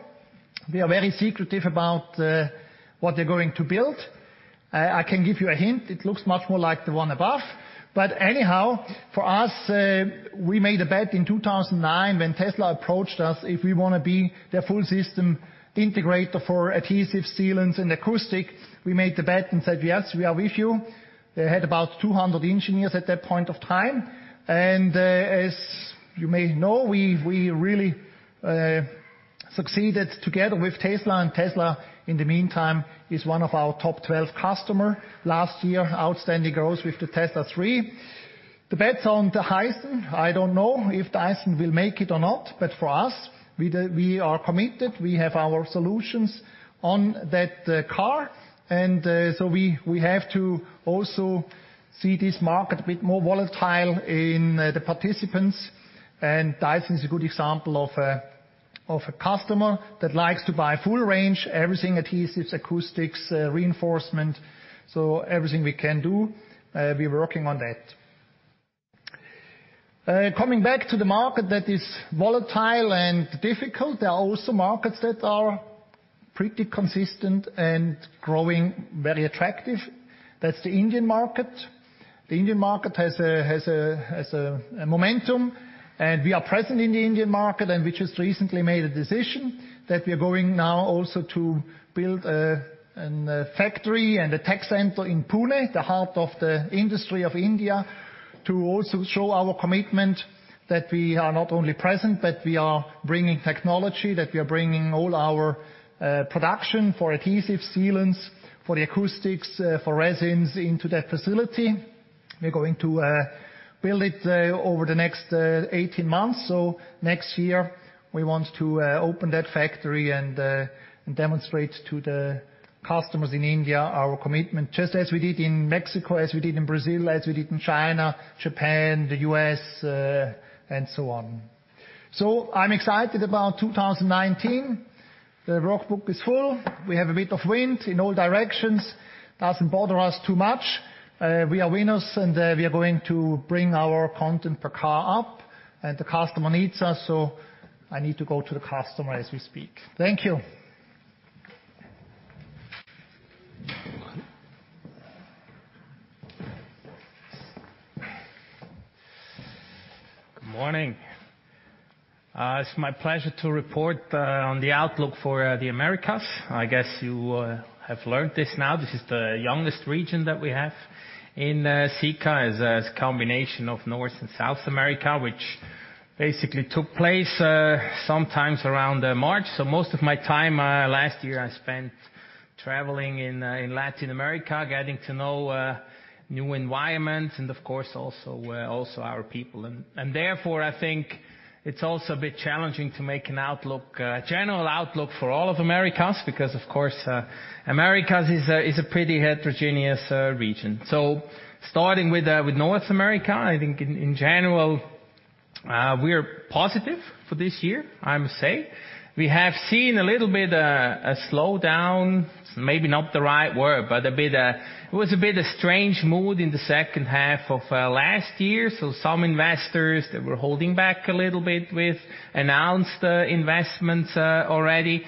They are very secretive about what they're going to build. I can give you a hint. It looks much more like the one above. Anyhow, for us, we made a bet in 2009 when Tesla approached us, if we want to be their full system integrator for adhesive sealants and acoustic. We made the bet and said, "Yes, we are with you." They had about 200 engineers at that point of time. As you may know, we really succeeded together with Tesla, and Tesla, in the meantime, is one of our top 12 customer. Last year, outstanding growth with the Tesla 3. The bets on Dyson, I don't know if Dyson will make it or not, but for us, we are committed. We have our solutions on that car. We have to also see this market a bit more volatile in the participants, and Dyson is a good example of a customer that likes to buy full range, everything, adhesives, acoustics, reinforcement. Everything we can do, we're working on that. Coming back to the market that is volatile and difficult, there are also markets that are pretty consistent and growing very attractive. That's the Indian market. The Indian market has a momentum. We are present in the Indian market. We just recently made a decision that we are going now also to build a factory and a tech center in Pune, the heart of the industry of India, to also show our commitment that we are not only present, but we are bringing technology, that we are bringing all our production for adhesive sealants, for the acoustics, for resins into that facility. We're going to build it over the next 18 months. Next year, we want to open that factory and demonstrate to the customers in India our commitment, just as we did in Mexico, as we did in Brazil, as we did in China, Japan, the U.S., and so on. I'm excited about 2019. The order book is full. We have a bit of wind in all directions. Doesn't bother us too much. We are winners. We are going to bring our content per car up. The customer needs us. I need to go to the customer as we speak. Thank you. Good morning. It's my pleasure to report on the outlook for the Americas. I guess you have learned this now. This is the youngest region that we have in Sika. It's a combination of North and South America, which basically took place sometimes around March. Most of my time last year I spent traveling in Latin America, getting to know new environments and of course, also our people. Therefore, I think it's also a bit challenging to make a general outlook for all of Americas because, of course, Americas is a pretty heterogeneous region. Starting with North America, I think in general, we are positive for this year, I must say. We have seen a little bit a slowdown, maybe not the right word, but it was a bit a strange mood in the second half of last year. Some investors that were holding back a little bit with announced investments already,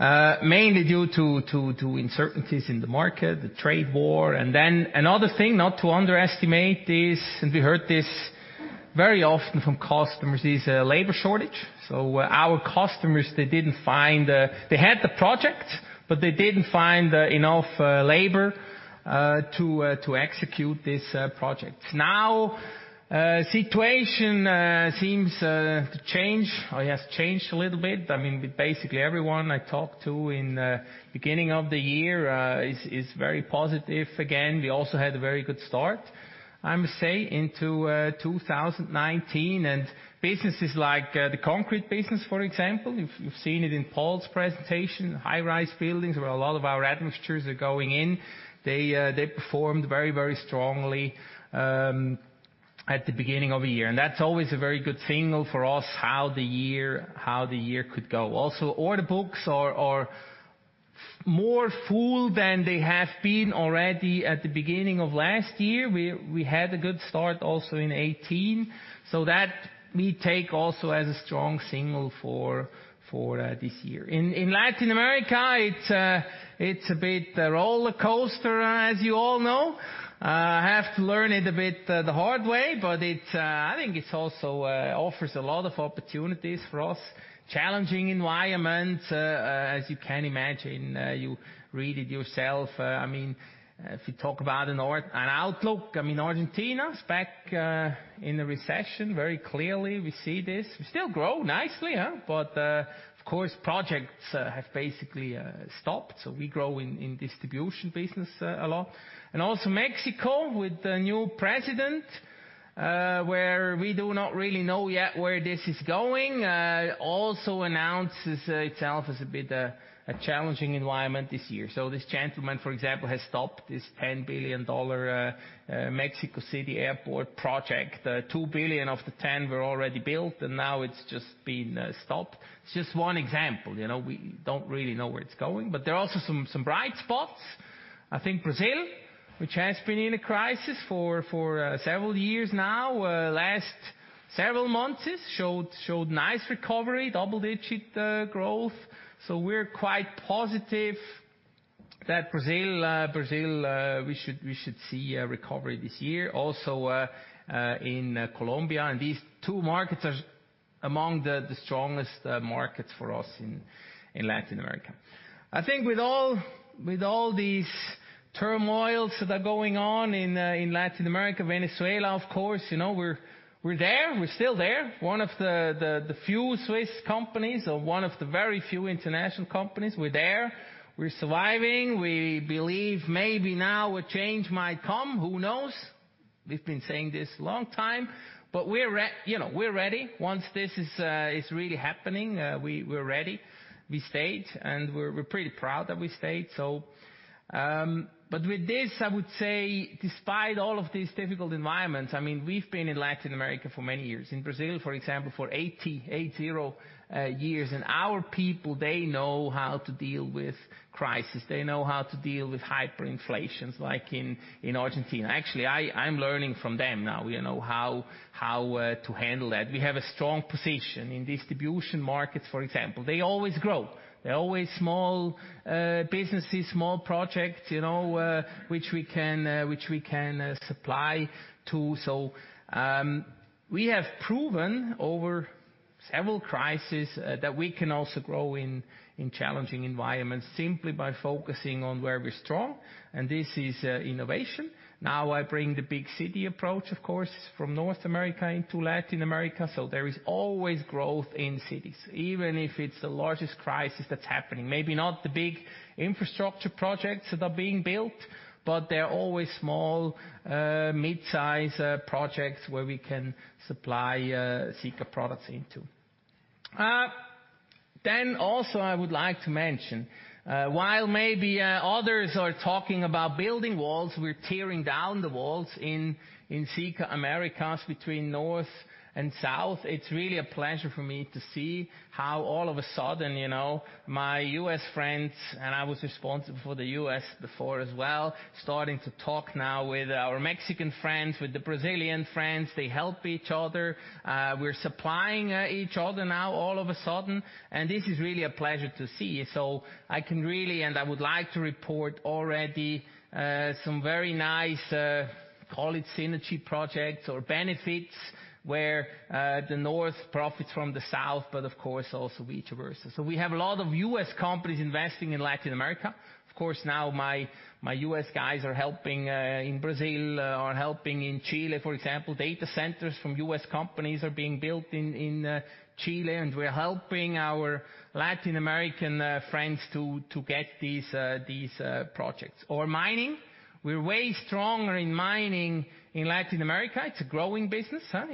mainly due to uncertainties in the market, the trade war. Then another thing not to underestimate is, and we heard this very often from customers, is labor shortage. Our customers, they had the project, but they didn't find enough labor to execute this project. Now, situation seems to change or has changed a little bit. I mean, basically everyone I talked to in the beginning of the year is very positive again. We also had a very good start, I must say, into 2019, and businesses like the concrete business, for example. You've seen it in Paul's presentation. High-rise buildings where a lot of our concrete admixtures are going in. They performed very strongly at the beginning of the year. That's always a very good signal for us how the year could go. Also, order books are more full than they have been already at the beginning of last year. We had a good start also in 2018. That we take also as a strong signal for this year. In Latin America, it's a bit a roller coaster, as you all know. I have to learn it a bit the hard way, but I think it also offers a lot of opportunities for us. Challenging environment, as you can imagine. You read it yourself. If you talk about an outlook, Argentina is back in the recession very clearly. We see this. We still grow nicely, but of course, projects have basically stopped. We grow in distribution business a lot. Also Mexico with the new president, where we do not really know yet where this is going. Also announces itself as a bit a challenging environment this year. This gentleman, for example, has stopped this CHF 10 billion Mexico City airport project. 2 billion of the ten were already built, and now it's just been stopped. It's just one example. We don't really know where it's going, but there are also some bright spots. I think Brazil, which has been in a crisis for several years now, last several months showed nice recovery, double-digit growth. We're quite positive that Brazil, we should see a recovery this year. Also in Colombia, and these two markets are among the strongest markets for us in Latin America. I think with all these turmoils that are going on in Latin America, Venezuela, of course, we're there. We're still there. One of the few Swiss companies or one of the very few international companies. We're there. We're surviving. We believe maybe now a change might come. Who knows? We've been saying this a long time, but we're ready. Once this is really happening, we're ready. We stayed, and we're pretty proud that we stayed. With this, I would say despite all of these difficult environments, we've been in Latin America for many years. In Brazil, for example, for 80 years. Our people, they know how to deal with crisis. They know how to deal with hyperinflations like in Argentina. Actually, I'm learning from them now, how to handle that. We have a strong position in distribution markets, for example. They always grow. They're always small businesses, small projects, which we can supply to. We have proven over several crises that we can also grow in challenging environments simply by focusing on where we're strong, and this is innovation. Now, I bring the big city approach, of course, from North America into Latin America. There is always growth in cities, even if it's the largest crisis that's happening. Maybe not the big infrastructure projects that are being built, but there are always small, mid-size projects where we can supply Sika products into. Also, I would like to mention, while maybe others are talking about building walls, we're tearing down the walls in Sika Americas between North and South. It's really a pleasure for me to see how all of a sudden, my U.S. friends, and I was responsible for the U.S. before as well, starting to talk now with our Mexican friends, with the Brazilian friends. They help each other. We're supplying each other now all of a sudden, and this is really a pleasure to see. I can really, and I would like to report already, some very nice, call it synergy projects or benefits, where the North profits from the South, but of course, also vice versa. We have a lot of U.S. companies investing in Latin America. Of course, now my U.S. guys are helping in Brazil or helping in Chile, for example. Data centers from U.S. companies are being built in Chile, and we're helping our Latin American friends to get these projects. Mining. We're way stronger in mining in Latin America. It's a growing business, huh?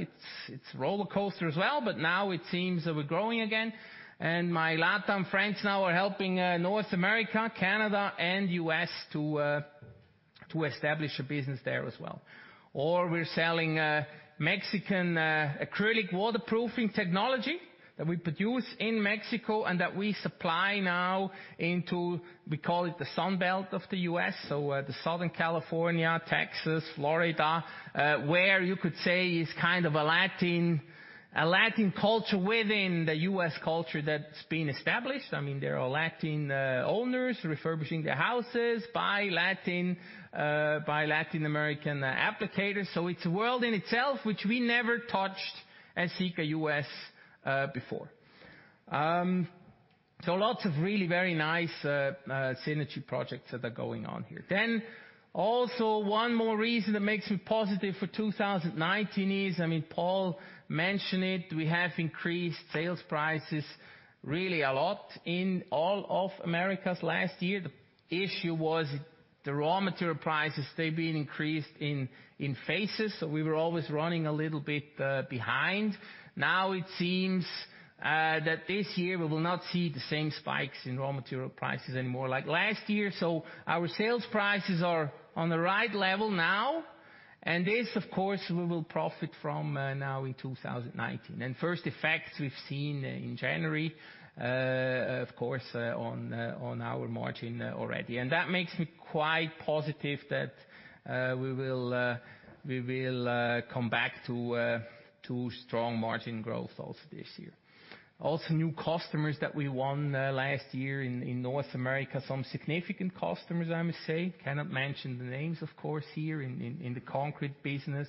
It's roller coaster as well, but now it seems that we're growing again. My LatAm friends now are helping North America, Canada, and U.S. to establish a business there as well. We're selling Mexican acrylic waterproofing technology that we produce in Mexico and that we supply now into, we call it the Sun Belt of the U.S., so the Southern California, Texas, Florida, where you could say is kind of a Latin culture within the U.S. culture that's been established. There are Latin owners refurbishing their houses by Latin American applicators. Lots of really very nice synergy projects that are going on here. Also one more reason that makes me positive for 2019 is, Paul mentioned it, we have increased sales prices really a lot in all of Americas last year. The issue was the raw material prices, they've been increased in phases, so we were always running a little bit behind. Now it seems that this year we will not see the same spikes in raw material prices anymore like last year. Our sales prices are on the right level now, and this, of course, we will profit from now in 2019. First effects we've seen in January, of course, on our margin already. That makes me quite positive that we will come back to strong margin growth also this year. Also new customers that we won last year in North America. Some significant customers, I must say. Cannot mention the names, of course, here in the concrete business,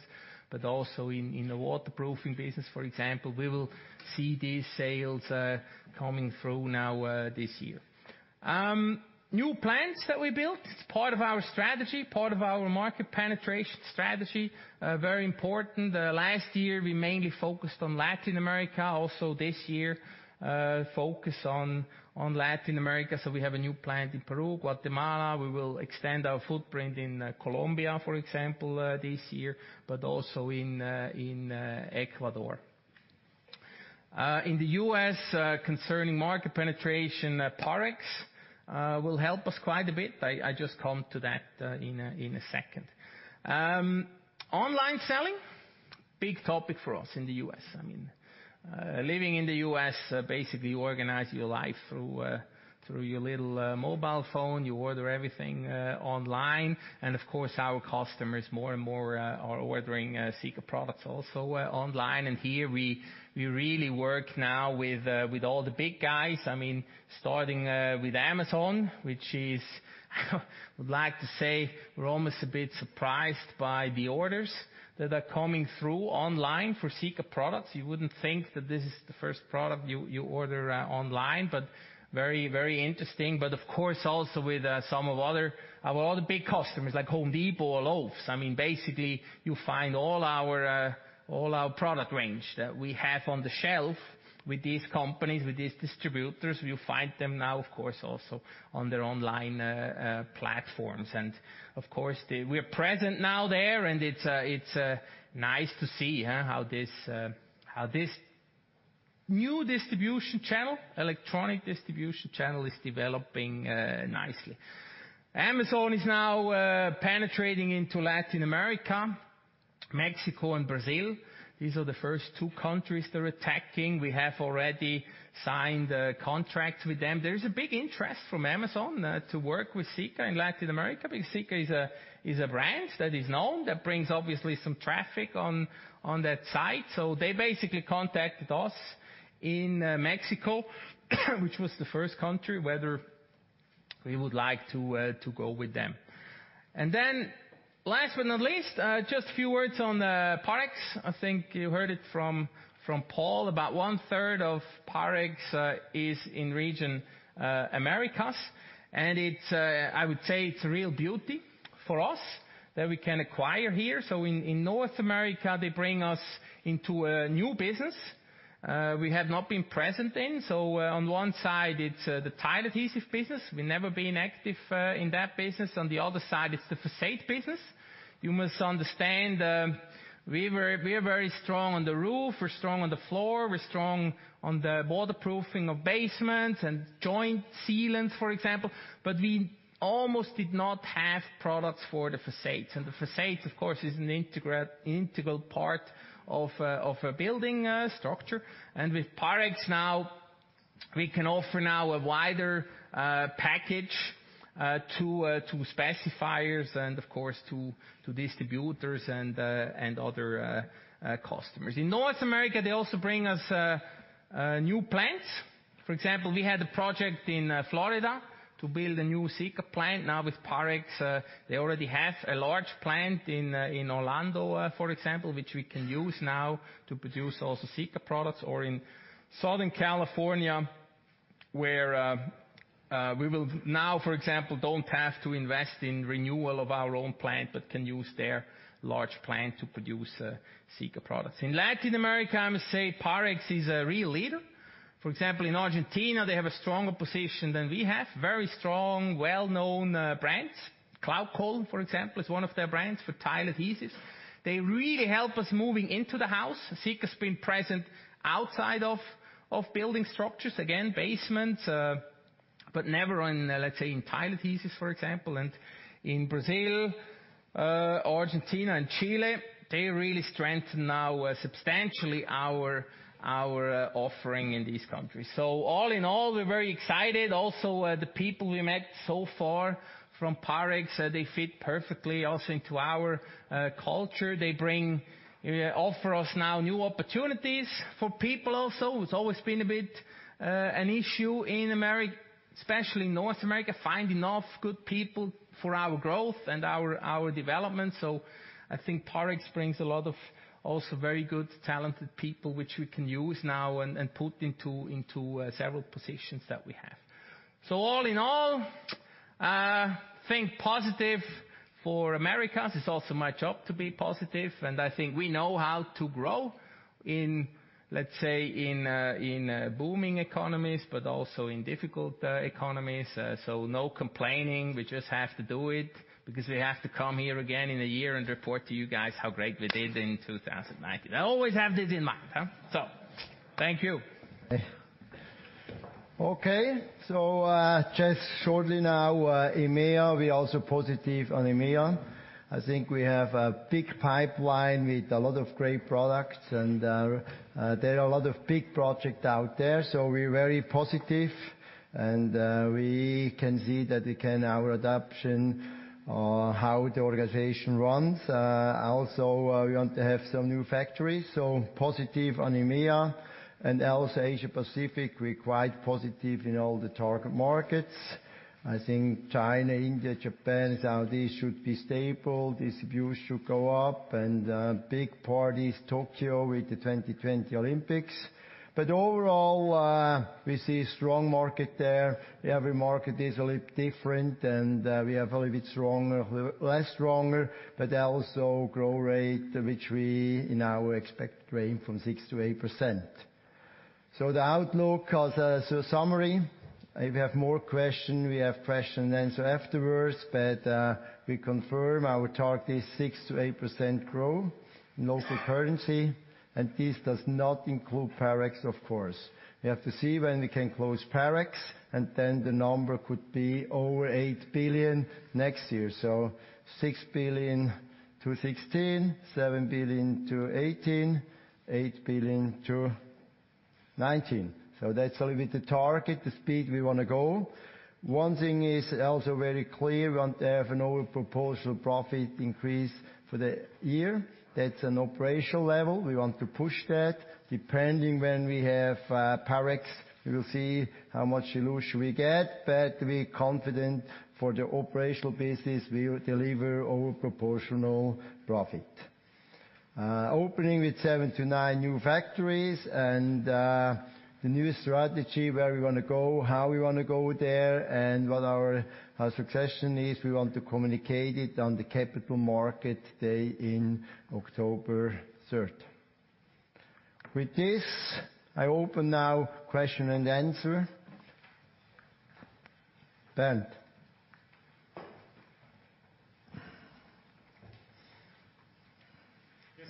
but also in the waterproofing business, for example. We will see these sales coming through now this year. New plants that we built. It's part of our strategy, part of our market penetration strategy. Very important. Last year, we mainly focused on Latin America. Also this year, focus on Latin America. We have a new plant in Peru, Guatemala. We will extend our footprint in Colombia, for example, this year, but also in Ecuador. In the U.S., concerning market penetration, Parex will help us quite a bit. I just come to that in a second. Online selling, big topic for us in the U.S. Living in the U.S., basically organize your life through your little mobile phone. You order everything online. Of course, our customers more and more are ordering Sika products also online. Here we really work now with all the big guys. Starting with Amazon, which is I would like to say we're almost a bit surprised by the orders that are coming through online for Sika products. You wouldn't think that this is the first product you order online, but very interesting. Of course, also with some of our other big customers like The Home Depot or Lowe's. Basically, you find all our product range that we have on the shelf with these companies, with these distributors, you'll find them now, of course, also on their online platforms. Of course, we are present now there, and it's nice to see how this new distribution channel, electronic distribution channel, is developing nicely. Amazon is now penetrating into Latin America, Mexico and Brazil. These are the first two countries they're attacking. We have already signed a contract with them. There's a big interest from Amazon to work with Sika in Latin America because Sika is a brand that is known, that brings obviously some traffic on that site. They basically contacted us in Mexico, which was the first country, whether we would like to go with them. Last but not least, just a few words on Parex. I think you heard it from Paul, about 1/3 of Parex is in region Americas. I would say it's a real beauty for us that we can acquire here. In North America, they bring us into a new business we have not been present in. On one side, it's the tile adhesive business. We've never been active in that business. On the other side, it's the facade business. You must understand, we are very strong on the roof, we're strong on the floor, we're strong on the waterproofing of basements and joint sealant, for example, but we almost did not have products for the facades. The facades, of course, is an integral part of a building structure. With Parex now, we can offer now a wider package to specifiers and of course to distributors and other customers. In North America, they also bring us new plants. For example, we had a project in Florida to build a new Sika plant. Now with Parex, they already have a large plant in Orlando, for example, which we can use now to produce also Sika products. Or in Southern California, where we will now, for example, don't have to invest in renewal of our own plant, but can use their large plant to produce Sika products. In Latin America, I must say, Parex is a real leader. For example, in Argentina, they have a stronger position than we have. Very strong, well-known brands. Klaukol, for example, is one of their brands for tile adhesives. They really help us moving into the house. Sika's been present outside of building structures, again, basements, but never in, let's say, in tile adhesives, for example. In Brazil, Argentina and Chile, they really strengthen now substantially our offering in these countries. All in all, we're very excited. Also, the people we met so far from Parex, they fit perfectly also into our culture. They offer us now new opportunities for people also. It's always been a bit an issue in America, especially North America, find enough good people for our growth and our development. I think Parex brings a lot of also very good talented people, which we can use now and put into several positions that we have. All in all, think positive for Americas. It's also my job to be positive, and I think we know how to grow in, let's say, in booming economies, but also in difficult economies. No complaining. We just have to do it because we have to come here again in a year and report to you guys how great we did in 2019. Always have this in mind. Thank you. Okay. Just shortly now, EMEA, we're also positive on EMEA. I think we have a big pipeline with a lot of great products, and there are a lot of big project out there. We're very positive, and we can see that it can, our adoption, how the organization runs. Also, we want to have some new factories. Positive on EMEA and also Asia Pacific. We're quite positive in all the target markets. I think China, India, Japan, Saudi should be stable. Distribution should go up and big projects, Tokyo with the 2020 Olympics. Overall, we see strong market there. Every market is a little different, and we have a little bit less stronger, but also growth rate, which we in our expected range from 6%-8%. The outlook, summary, if you have more questions, we have question and answer afterwards. We confirm our target is 6% to 8% growth in local currency. This does not include Parex, of course. We have to see when we can close Parex. The number could be over 8 billion next year. 6 billion to 2016, 7 billion to 2018, 8 billion to 2019. That's a little bit the target, the speed we want to go. One thing is also very clear. We want to have an overproportional profit increase for the year. That's an operational level. We want to push that. Depending when we have Parex, we will see how much dilution we get. We're confident for the operational business we will deliver overproportional profit. Opening with seven to nine new factories and the new strategy, where we want to go, how we want to go there, and what our succession is. We want to communicate it on the Capital Markets Day on October 3rd. With this, I open now question and answer. Bent.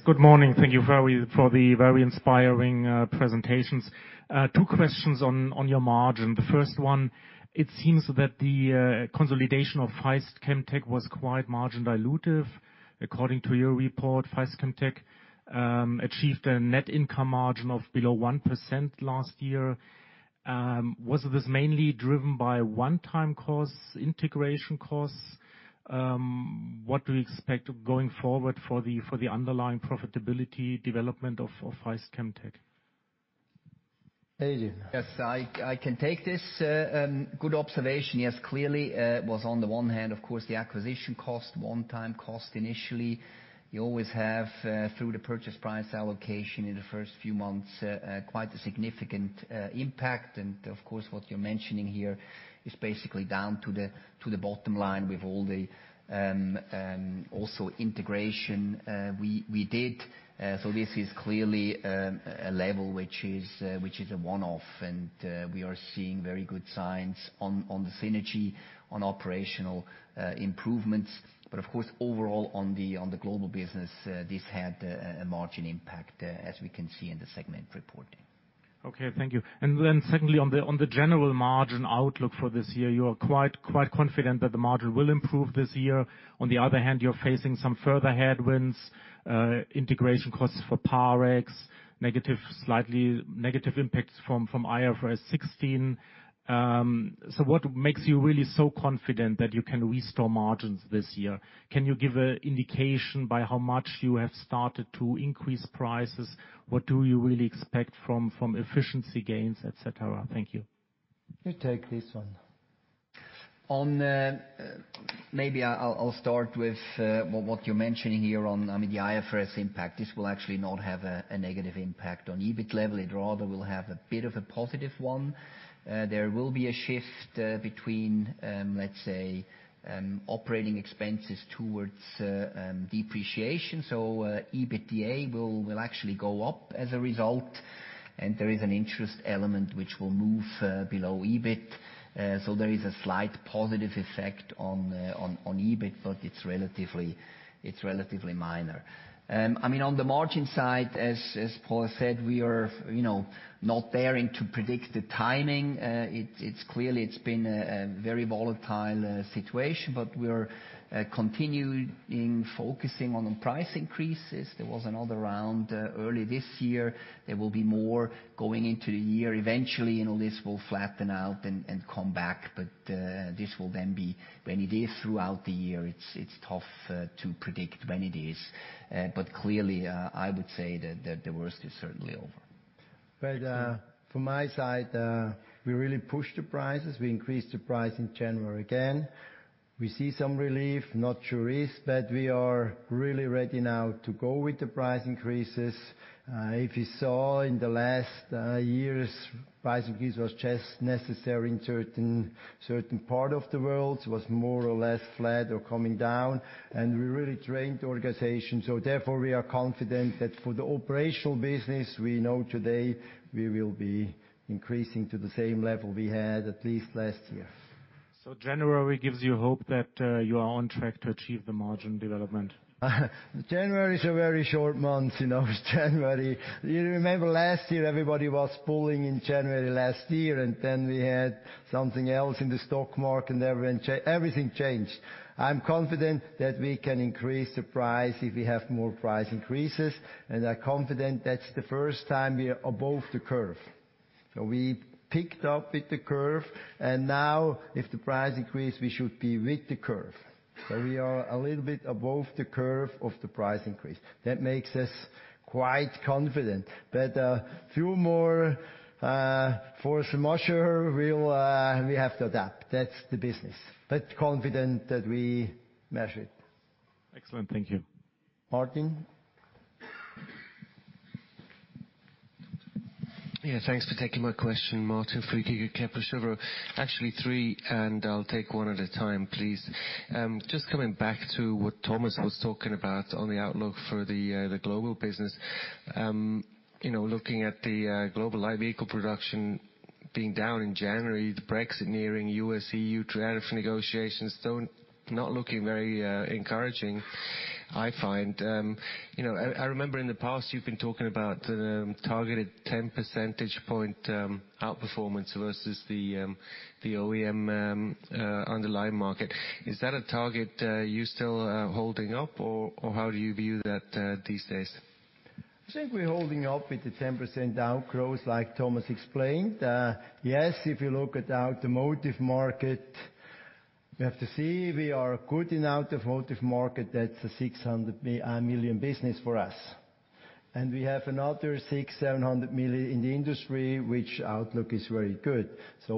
Good morning. Thank you for the very inspiring presentations. Two questions on your margin. The first one. It seems that the consolidation of Faist ChemTec was quite margin dilutive. According to your report, Faist ChemTec achieved a net income margin of below 1% last year. Was this mainly driven by one-time costs, integration costs? What do we expect going forward for the underlying profitability development of Faist ChemTec? Adrian. Yes, I can take this. Good observation, yes. Clearly, it was on the one hand, of course, the acquisition cost, one-time cost initially. You always have, through the purchase price allocation in the first few months, quite a significant impact. What you're mentioning here is basically down to the bottom line with all the also integration we did. This is clearly a level which is a one-off, and we are seeing very good signs on the synergy on operational improvements. Overall on the global business, this had a margin impact as we can see in the segment reporting. Okay, thank you. Secondly, on the general margin outlook for this year, you are quite confident that the margin will improve this year. On the other hand, you're facing some further headwinds, integration costs for Parex, slightly negative impacts from IFRS 16. What makes you really so confident that you can restore margins this year? Can you give an indication by how much you have started to increase prices? What do you really expect from efficiency gains, et cetera? Thank you. You take this one. Maybe I'll start with, well, what you're mentioning here on the IFRS impact. This will actually not have a negative impact on EBIT level. It rather will have a bit of a positive one. There will be a shift between, let's say, operating expenses towards depreciation. EBITDA will actually go up as a result, and there is an interest element which will move below EBIT. There is a slight positive effect on EBIT, but it's relatively minor. On the margin side, as Paul said, we are not daring to predict the timing. Clearly, it's been a very volatile situation, but we are continuing focusing on price increases. There was another round early this year. There will be more going into the year. Eventually, all this will flatten out and come back. This will then be when it is throughout the year. It's tough to predict when it is. Clearly, I would say that the worst is certainly over. From my side, we really pushed the prices. We increased the price in January again. We see some relief, but we are really ready now to go with the price increases. If you saw in the last years, price increase was just necessary in certain part of the world, was more or less flat or coming down, and we really trained the organization. Therefore, we are confident that for the operational business, we know today we will be increasing to the same level we had at least last year. January gives you hope that you are on track to achieve the margin development? January is a very short month, you know. It's January. You remember last year, everybody was pulling in January last year, and then we had something else in the stock market and everything changed. I'm confident that we can increase the price if we have more price increases. I'm confident that's the first time we are above the curve. We picked up with the curve, and now if the price increase, we should be with the curve. We are a little bit above the curve of the price increase. That makes us quite confident. A few more force majeure, we have to adapt. That's the business. Confident that we measure it. Excellent, thank you. Martin. Yeah, thanks for taking my question, Martin Flueckiger, Kepler Cheuvreux. Actually three. I'll take one at a time, please. Just coming back to what Thomas was talking about on the outlook for the global business. Looking at the global light vehicle production being down in January, the Brexit nearing, U.S.-EU tariff negotiations not looking very encouraging, I find. I remember in the past you've been talking about targeted 10 percentage point outperformance versus the OEM underlying market. Is that a target you're still holding up? How do you view that these days? I think we're holding up with the 10% outgrowth like Thomas explained. If you look at automotive market, you have to see we are good in automotive market. That's a 600 million business for us. We have another 600 million-700 million in the industry, which outlook is very good. Is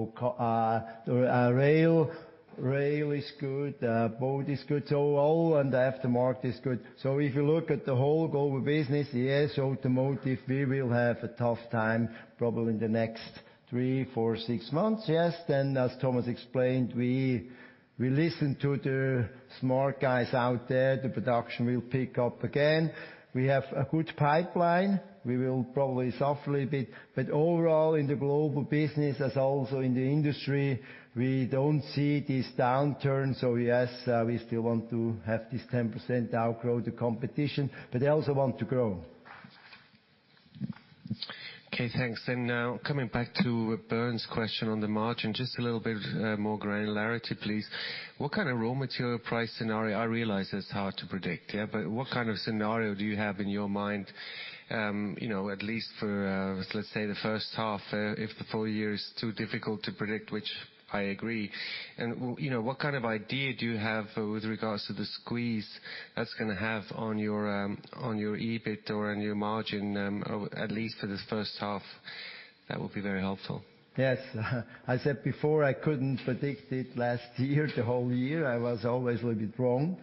good. Boat is good. All and the aftermarket is good. If you look at the whole global business, yes, automotive, we will have a tough time probably in the next three, four, six months. As Thomas explained, we listen to the smart guys out there, the production will pick up again. We have a good pipeline. We will probably suffer a little bit. Overall, in the global business as also in the industry, we don't see this downturn. Yes, we still want to have this 10% outgrow the competition, but I also want to grow. Okay, thanks. Now coming back to Bent's question on the margin, just a little bit more granularity, please. What kind of raw material price scenario, I realize it's hard to predict. What kind of scenario do you have in your mind, at least for, let's say, the first half, if the full year is too difficult to predict, which I agree. What kind of idea do you have for with regards to the squeeze that's going to have on your EBIT or on your margin, at least for the first half? That would be very helpful. Yes. I said before, I couldn't predict it last year, the whole year. I was always a little bit wrong.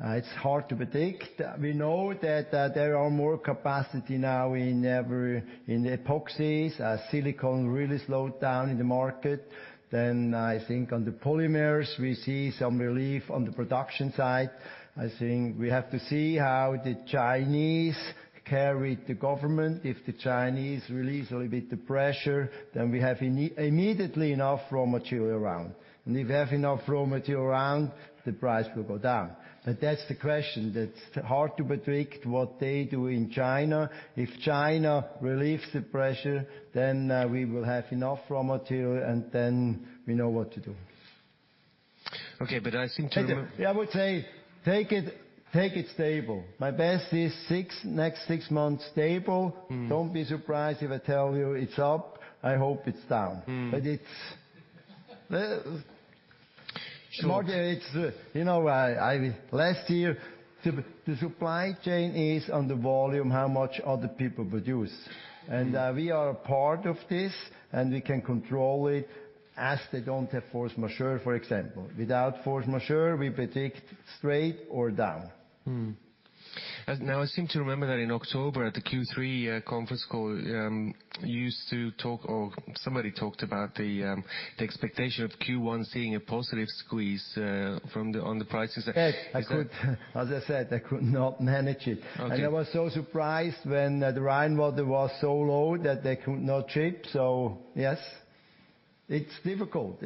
It's hard to predict. We know that there are more capacity now in every, in the epoxies. Silicone really slowed down in the market. I think on the polymers, we see some relief on the production side. I think we have to see how the Chinese carry the government. If the Chinese release a little bit the pressure, then we have immediately enough raw material around. If we have enough raw material around, the price will go down. That's the question. That's hard to predict what they do in China. If China relieves the pressure, then we will have enough raw material, and then we know what to do. Okay, but I seem to re- I would say take it stable. My best is next six months stable. Don't be surprised if I tell you it's up. I hope it's down. But it's- Sure. The market, last year, the supply chain is on the volume, how much other people produce. We are a part of this, and we can control it as they don't have force majeure, for example. Without force majeure, we predict straight or down. I seem to remember that in October at the Q3 conference call, you used to talk, or somebody talked about the expectation of Q1 seeing a positive squeeze on the prices. Yes. As I said, I could not manage it. Okay. I was so surprised when the Rhine water was so low that they could not ship. Yes, it is difficult.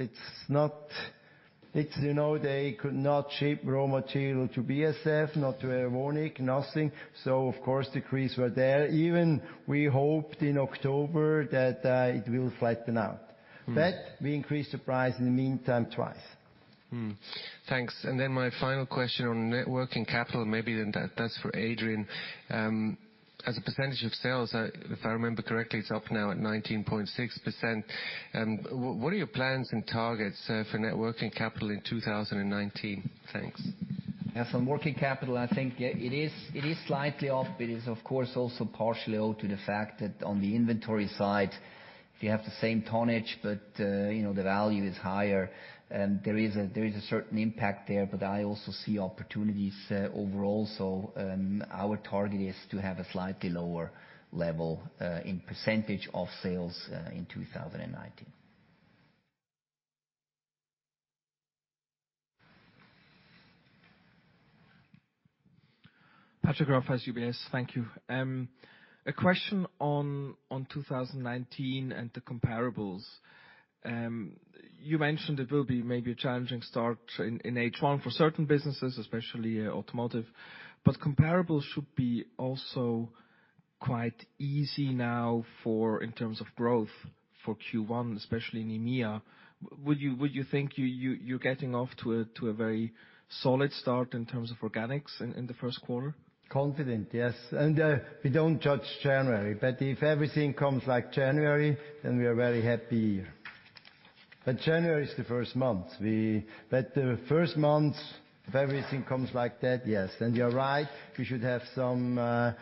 They could not ship raw material to BASF, not to Evonik, nothing. Of course, decrease were there. Even we hoped in October that it will flatten out. We increased the price in the meantime twice. Thanks. My final question on net working capital, and maybe that's for Adrian. As a percentage of sales, if I remember correctly, it is up now at 19.6%. What are your plans and targets for net working capital in 2019? Thanks. Yes. On working capital, I think it is slightly up. It is, of course, also partially owed to the fact that on the inventory side, if you have the same tonnage, but the value is higher, there is a certain impact there. I also see opportunities overall. Our target is to have a slightly lower level, in percentage of sales, in 2019. Patrick Rafaisz, UBS. Thank you. A question on 2019 and the comparables. You mentioned it will be maybe a challenging start in H1 for certain businesses, especially automotive, but comparables should be also quite easy now in terms of growth for Q1, especially in EMEA. Would you think you're getting off to a very solid start in terms of organics in the first quarter? Confident, yes. We don't judge January, but if everything comes like January, then we are very happy. January is the first month. The first month, if everything comes like that, yes, then you're right. We should have some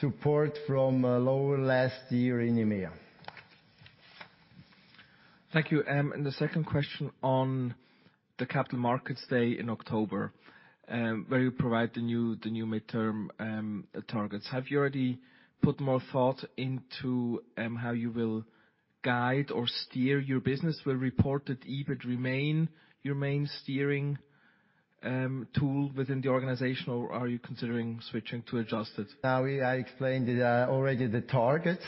support from lower last year in EMEA. The second question on the Capital Markets Day in October, where you provide the new midterm targets. Have you already put more thought into how you will guide or steer your business? Will reported EBIT remain your main steering tool within the organization, or are you considering switching to adjusted? I explained it already the target.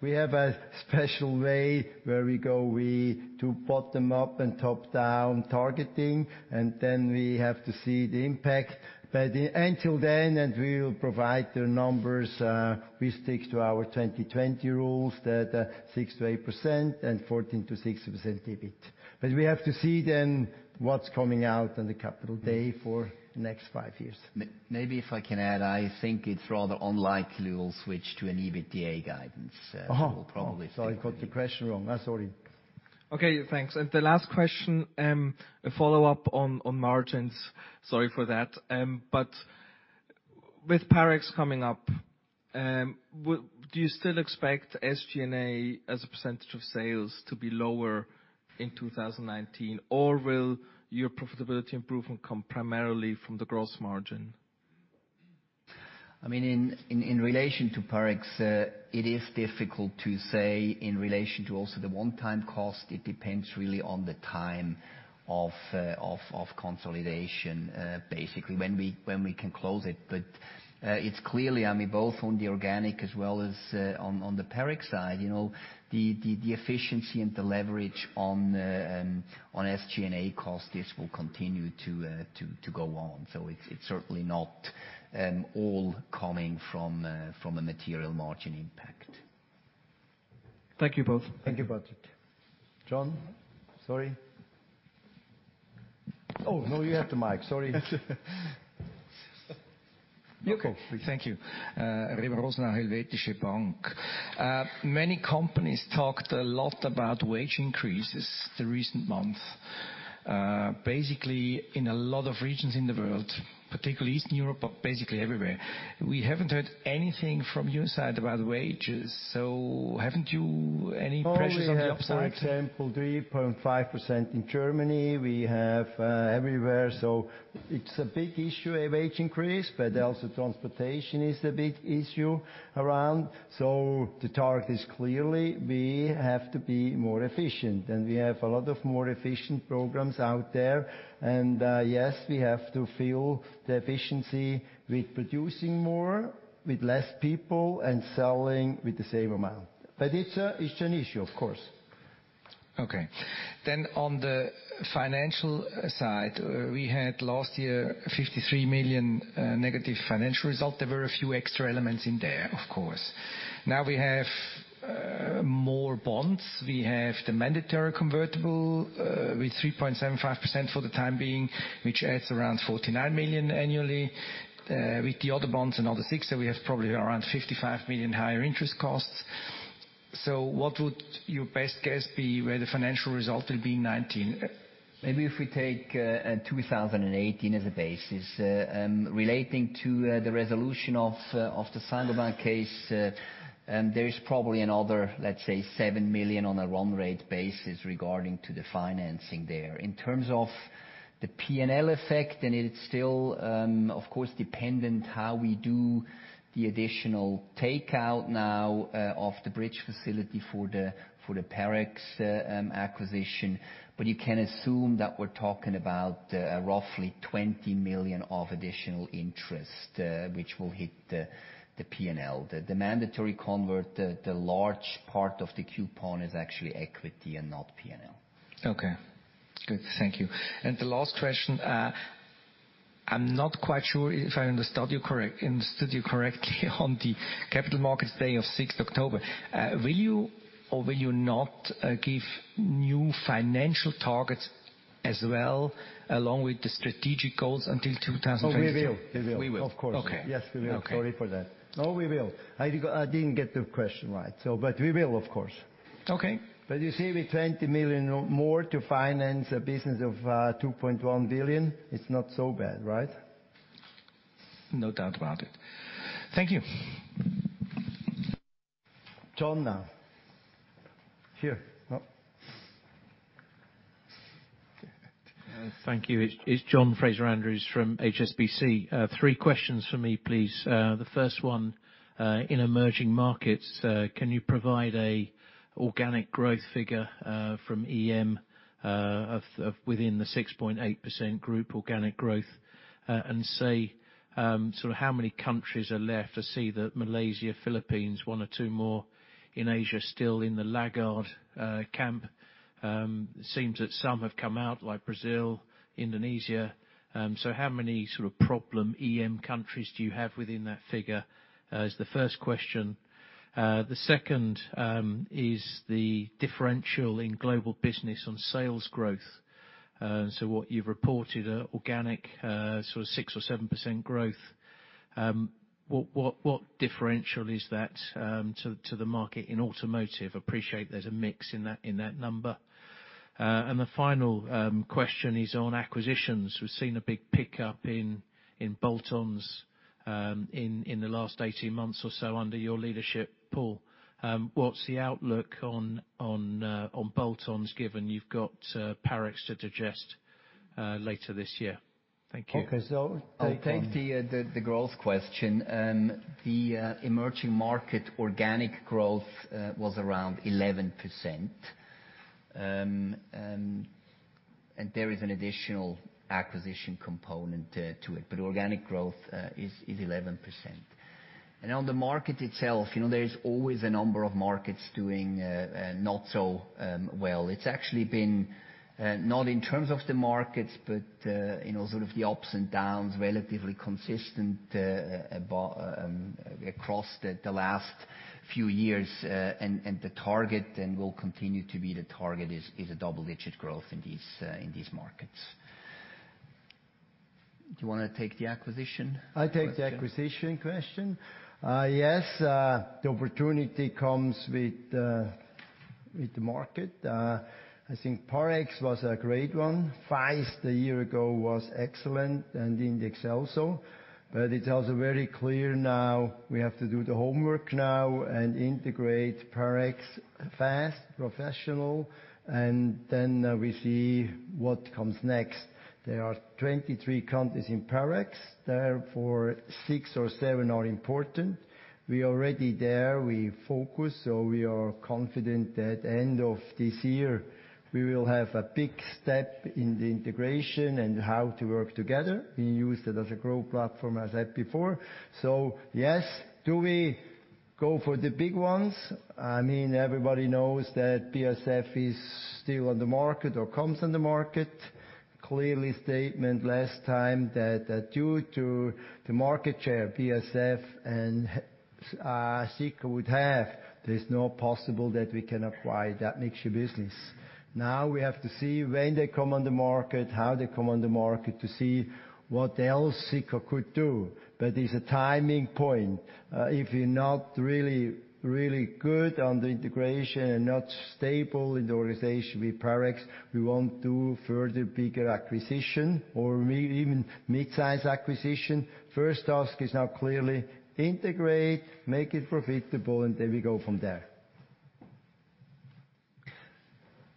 We have a special way where we go, we do bottom-up and top-down targeting, and then we have to see the impact. Until then, and we will provide the numbers, we stick to our 2020 rules, the 6%-8% and 14%-16% EBIT. We have to see then what's coming out on the Capital Day for next five years. Maybe if I can add, I think it's rather unlikely we'll switch to an EBITDA guidance. Oh. We will probably stick with the- Sorry, I got the question wrong. Sorry. Okay, thanks. The last question, a follow-up on margins. Sorry for that. With Parex coming up, do you still expect SG&A as a percentage of sales to be lower in 2019, or will your profitability improvement come primarily from the gross margin? In relation to Parex, it is difficult to say in relation to also the one-time cost. It depends really on the time of consolidation, basically, when we can close it. It is clearly, both on the organic as well as on the Parex side, the efficiency and the leverage on SG&A costs, this will continue to go on. It is certainly not all coming from a material margin impact. Thank you both. Thank you both. John. Sorry. Oh, no, you have the mic. Sorry. Okay. Thank you. Remo Rosenau, Helvetische Bank. Many companies talked a lot about wage increases the recent month. Basically, in a lot of regions in the world, particularly Eastern Europe, but basically everywhere. We haven't heard anything from your side about wages. Haven't you any pressures on your side? We have, for example, 3.5% in Germany, we have everywhere. It's a big issue of wage increase, but also transportation is a big issue around. The target is clearly we have to be more efficient, and we have a lot of more efficient programs out there. Yes, we have to fill the efficiency with producing more with less people and selling with the same amount. It's an issue, of course. Okay. On the financial side, we had last year 53 million negative financial result. There were a few extra elements in there, of course. Now we have more bonds. We have the mandatory convertible with 3.75% for the time being, which adds around 49 million annually. With the other bonds and other six, we have probably around 55 million higher interest costs. What would your best guess be where the financial result will be in 2019? Maybe if we take 2018 as a basis, relating to the resolution of the Saint-Gobain case, there is probably another, let's say, 7 million on a run rate basis regarding to the financing there. In terms of the P&L effect, it's still, of course, dependent how we do the additional takeout now of the bridge facility for the Parex acquisition. You can assume that we're talking about roughly 20 million of additional interest, which will hit the P&L. The mandatory convert, the large part of the coupon is actually equity and not P&L. Okay. Good. Thank you. The last question, I'm not quite sure if I understood you correctly on the Capital Markets Day of 6th October. Will you or will you not give new financial targets as well along with the strategic goals until 2022? Oh, we will. We will. Of course. Okay. Yes, we will. Sorry for that. No, we will. I didn't get the question right. We will, of course. Okay. You see, with 20 million more to finance a business of 2.1 billion, it is not so bad, right? No doubt about it. Thank you. John now. Here. Thank you. It is John Fraser-Andrews from HSBC. Three questions from me, please. The first one, in emerging markets, can you provide an organic growth figure from EM of within the 6.8% group organic growth and say sort of how many countries are left to see that Malaysia, Philippines, one or two more in Asia still in the laggard camp. It seems that some have come out, like Brazil, Indonesia. How many sort of problem EM countries do you have within that figure? Is the first question. The second is the differential in global business on sales growth. What you have reported, organic sort of 6% or 7% growth. What differential is that to the market in automotive? Appreciate there is a mix in that number. The final question is on acquisitions. We have seen a big pickup in bolt-ons in the last 18 months or so under your leadership, Paul. What's the outlook on bolt-ons, given you've got Parex to digest later this year? Thank you. Okay. I'll take the growth question. The emerging market organic growth was around 11%, and there is an additional acquisition component to it, but organic growth is 11%. On the market itself, there is always a number of markets doing not so well. It's actually been, not in terms of the markets, but sort of the ups and downs, relatively consistent across the last few years. The target, and will continue to be the target, is a double-digit growth in these markets. Do you want to take the acquisition? I take the acquisition question. Yes, the opportunity comes with the market. I think Parex was a great one. Faist, a year ago was excellent, and the index also. It's also very clear now we have to do the homework now and integrate Parex fast, professional, and then we see what comes next. There are 23 countries in Parex. Therefore, six or seven are important. We already there, we focus, we are confident that end of this year we will have a big step in the integration and how to work together. We use that as a growth platform, as said before. Yes, do we go for the big ones? Everybody knows that BASF is still on the market or comes on the market. Clearly statement last time that due to the market share BASF and Sika would have, there's no possible that we can acquire that mixture business. Now we have to see when they come on the market, how they come on the market to see what else Sika could do. It's a timing point. If you're not really good on the integration and not stable in the organization with Parex, we won't do further bigger acquisition or even mid-size acquisition. First task is now clearly integrate, make it profitable, and then we go from there.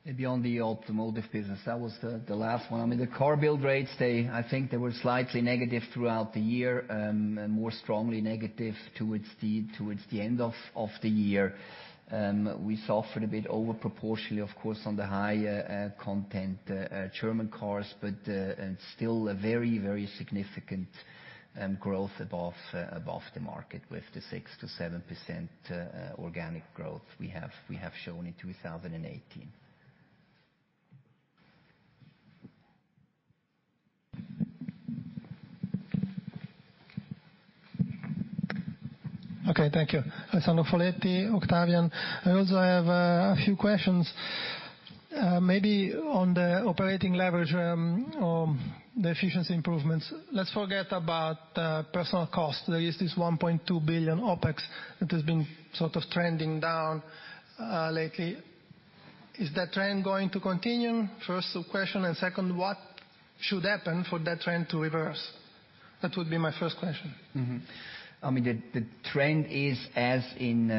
Maybe on the automotive business, that was the last one. The car build rates, I think they were slightly negative throughout the year, more strongly negative towards the end of the year. We suffered a bit over proportionally, of course, on the high content German cars, but still a very significant growth above the market with the 6%-7% organic growth we have shown in 2018. Okay, thank you. Alessandro Foletti, Octavian. I also have a few questions. Maybe on the operating leverage, the efficiency improvements. Let's forget about personnel cost. There is this 1.2 billion OpEx that has been sort of trending down lately. Is that trend going to continue? First question, and second, what should happen for that trend to reverse? That would be my first question. The trend is as in,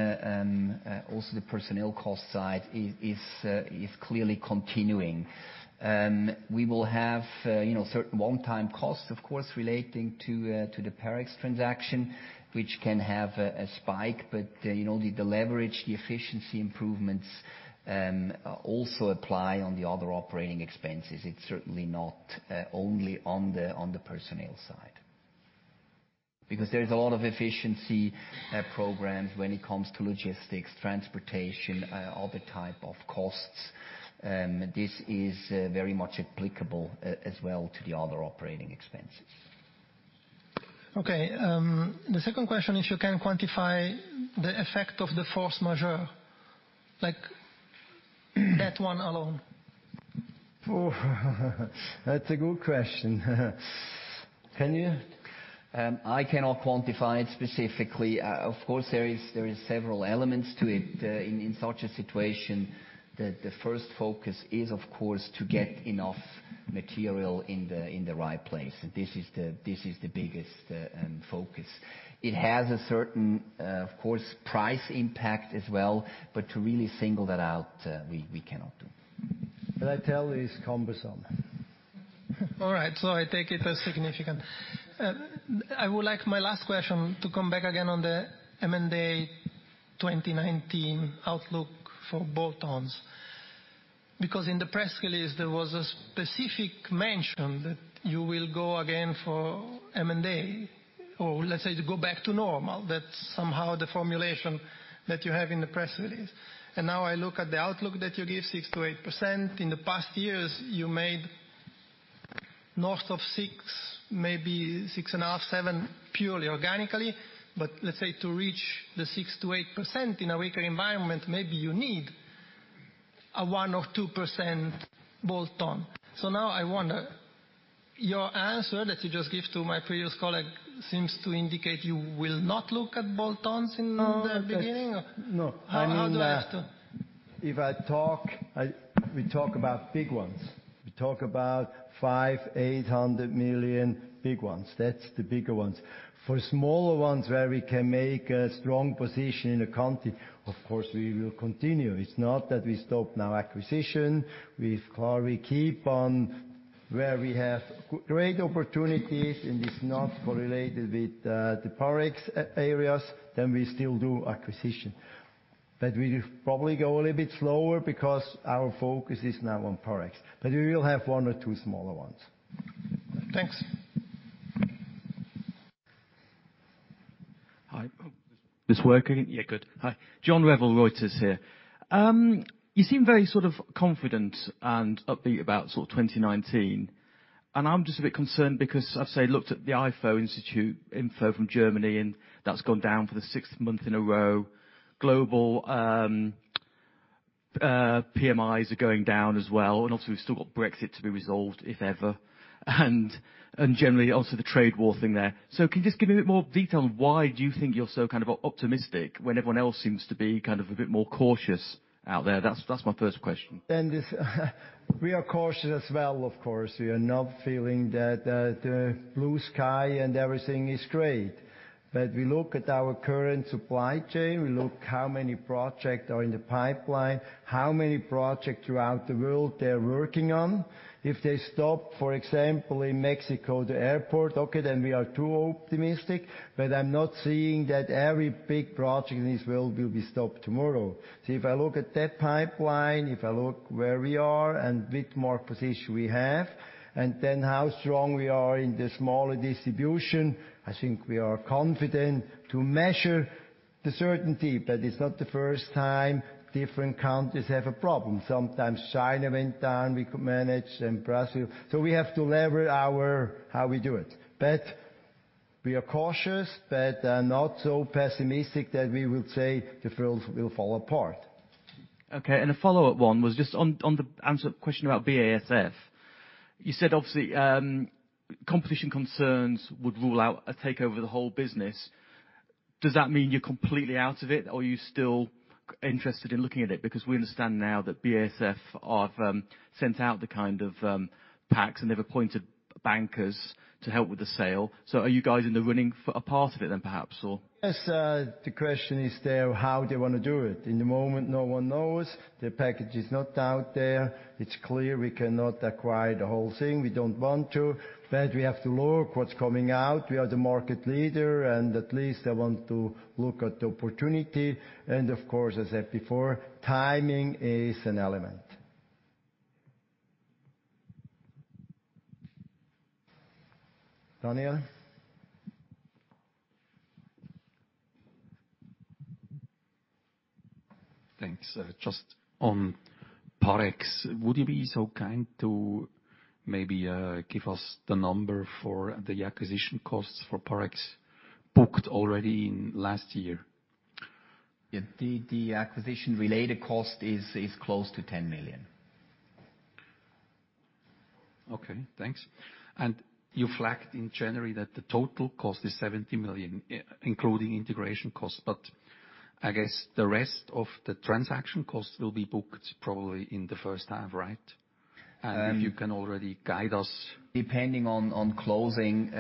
also the personnel cost side is clearly continuing. We will have certain one-time costs, of course, relating to the Parex transaction, which can have a spike. The leverage, the efficiency improvements, also apply on the other operating expenses. It's certainly not only on the personnel side. There is a lot of efficiency programs when it comes to logistics, transportation, other type of costs. This is very much applicable as well to the other operating expenses. Okay. The second question, if you can quantify the effect of the force majeure, like that one alone. That's a good question. Can you? I cannot quantify it specifically. Of course, there is several elements to it. In such a situation, the first focus is, of course, to get enough material in the right place. This is the biggest focus. It has a certain, of course, price impact as well, but to really single that out, we cannot do. What I tell is cumbersome. I take it as significant. I would like my last question to come back again on the M&A 2019 outlook for bolt-ons, because in the press release, there was a specific mention that you will go again for M&A, or let's say to go back to normal. That's somehow the formulation that you have in the press release. Now I look at the outlook that you give 6%-8%. In the past years, you made north of six, maybe six and a half, seven purely organically. Let's say to reach the 6%-8% in a weaker environment, maybe you need a 1% or 2% bolt-on. Now I wonder, your answer that you just give to my previous colleague seems to indicate you will not look at bolt-ons in the beginning. No. How do I have to? If we talk about big ones. We talk about 5 million, 800 million, big ones. That's the bigger ones. For smaller ones, where we can make a strong position in a country, of course, we will continue. It's not that we stop now acquisition. We keep on where we have great opportunities, and it's not correlated with the Parex areas, then we still do acquisition. We probably go a little bit slower because our focus is now on Parex, but we will have one or two smaller ones. Thanks. Hi. This working? Yeah, good. Hi. John Revill, Reuters here. You seem very sort of confident and upbeat about sort of 2019. I'm just a bit concerned because I've looked at the Ifo Institute for Economic Research from Germany, and that's gone down for the sixth month in a row. Global PMIs are going down as well. Also we've still got Brexit to be resolved, if ever. Generally, also the trade war thing there. Can you just give me a bit more detail on why do you think you're so optimistic when everyone else seems to be a bit more cautious out there? That's my first question. We are cautious as well, of course. We are not feeling that the blue sky and everything is great. We look at our current supply chain, we look how many projects are in the pipeline, how many projects throughout the world they're working on. If they stop, for example, in Mexico, the airport, okay, then we are too optimistic. I'm not seeing that every big project in this world will be stopped tomorrow. If I look at that pipeline, if I look where we are and bit more position we have, and then how strong we are in the smaller distribution, I think we are confident to measure the certainty. It's not the first time different countries have a problem. Sometimes China went down, we could manage, then Brazil. We have to lever how we do it. We are cautious, but not so pessimistic that we will say the world will fall apart. A follow-up one was just on the answer to the question about BASF. You said, obviously, competition concerns would rule out a takeover of the whole business. Does that mean you're completely out of it, or are you still interested in looking at it? Because we understand now that BASF have sent out the kind of packs, and they've appointed bankers to help with the sale. Are you guys in the running for a part of it then, perhaps? Yes. The question is there, how they want to do it. In the moment, no one knows. The package is not out there. It's clear we cannot acquire the whole thing. We don't want to. We have to look what's coming out. We are the market leader, and at least I want to look at the opportunity. Of course, as I said before, timing is an element. Daniel? Thanks. Just on Parex. Would you be so kind to maybe give us the number for the acquisition costs for Parex booked already in last year? The acquisition-related cost is close to 10 million. Okay, thanks. You flagged in January that the total cost is 70 million, including integration costs. I guess the rest of the transaction costs will be booked probably in the first half, right? Um- If you can already guide us. Depending on closing.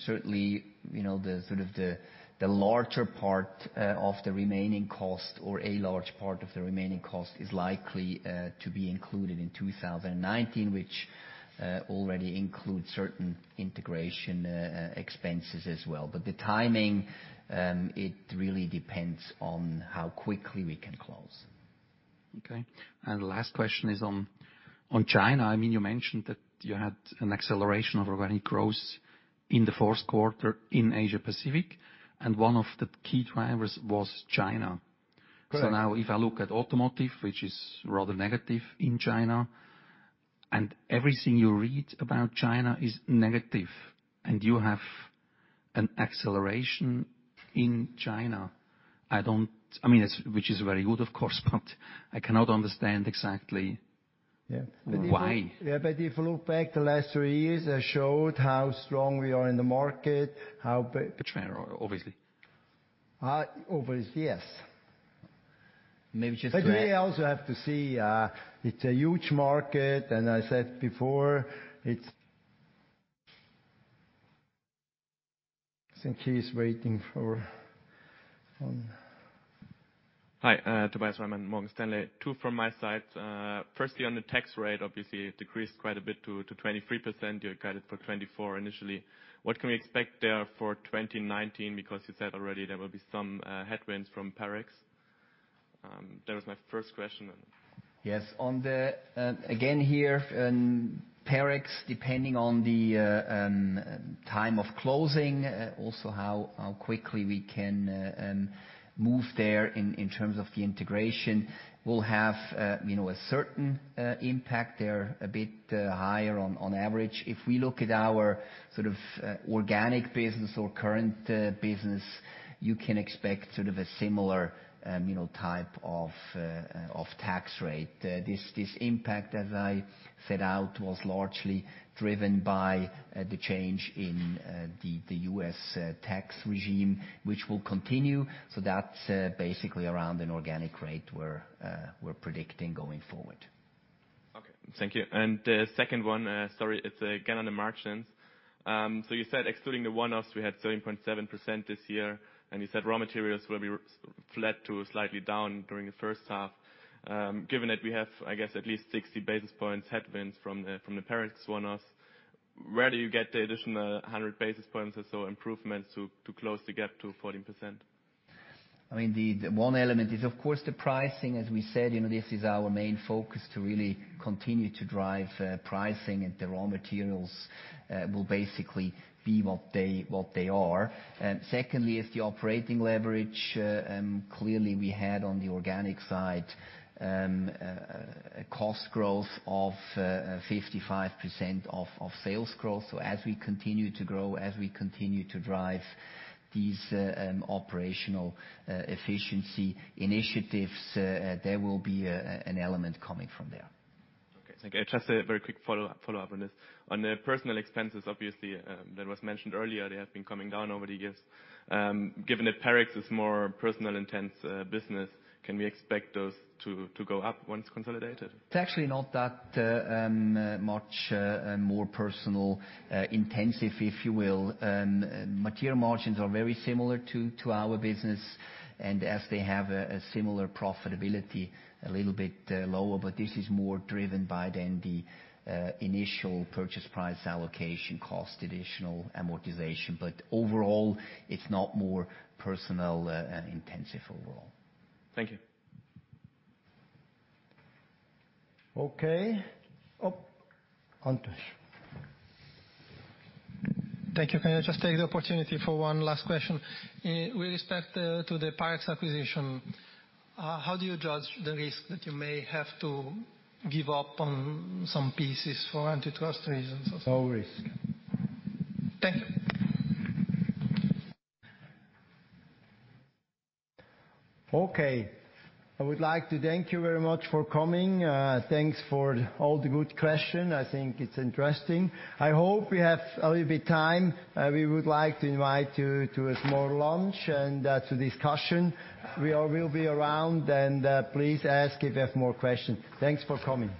Certainly, the larger part of the remaining cost, or a large part of the remaining cost, is likely to be included in 2019, which already includes certain integration expenses as well. The timing, it really depends on how quickly we can close. Okay. The last question is on China. You mentioned that you had an acceleration of organic growth in the fourth quarter in Asia Pacific, and one of the key drivers was China. Correct. Now if I look at automotive, which is rather negative in China, everything you read about China is negative, you have an acceleration in China. Which is very good, of course, I cannot understand exactly why. Yeah. If you look back the last three years, I showed how strong we are in the market. Obviously. Obviously, yes. We also have to see, it's a huge market, and I said before. Hi, Tobias Raymond, Morgan Stanley. Two from my side. Firstly, on the tax rate, obviously it decreased quite a bit to 23%. You had guided for 24% initially. What can we expect there for 2019? You said already there will be some headwinds from Parex. That was my first question. Yes. On the, again, here, Parex, depending on the time of closing, also how quickly we can move there in terms of the integration, will have a certain impact there, a bit higher on average. If we look at our organic business or current business, you can expect sort of a similar type of tax rate. This impact, as I set out, was largely driven by the change in the U.S. tax regime, which will continue. That's basically around an organic rate we're predicting going forward. Okay. Thank you. Second one, sorry, it's again on the margins. You said excluding the one-offs, we had 13.7% this year, and you said raw materials will be flat to slightly down during the first half. Given that we have, I guess, at least 60 basis points headwinds from the Parex one-offs, where do you get the additional 100 basis points or so improvements to close the gap to 14%? The one element is, of course, the pricing. As we said, this is our main focus to really continue to drive pricing, the raw materials will basically be what they are. Secondly is the operating leverage. Clearly, we had on the organic side, cost growth of 55% of sales growth. As we continue to grow, as we continue to drive these operational efficiency initiatives, there will be an element coming from there. Okay, thank you. Just a very quick follow-up on this. On the personnel expenses, obviously, that was mentioned earlier, they have been coming down over the years. Given that Parex is more personnel-intensive business, can we expect those to go up once consolidated? It's actually not that much more personnel-intensive, if you will. Material margins are very similar to our business, as they have a similar profitability, a little bit lower, but this is more driven by then the initial purchase price allocation cost, additional amortization. Overall, it's not more personnel-intensive overall. Thank you. Okay. Oh, Antosh. Thank you. Can I just take the opportunity for one last question? With respect to the Parex acquisition, how do you judge the risk that you may have to give up on some pieces for antitrust reasons or so? No risk. Thank you. Okay. I would like to thank you very much for coming. Thanks for all the good question. I think it's interesting. I hope we have a little bit time. We would like to invite you to a small lunch and to discussion. We will be around, and please ask if you have more question. Thanks for coming.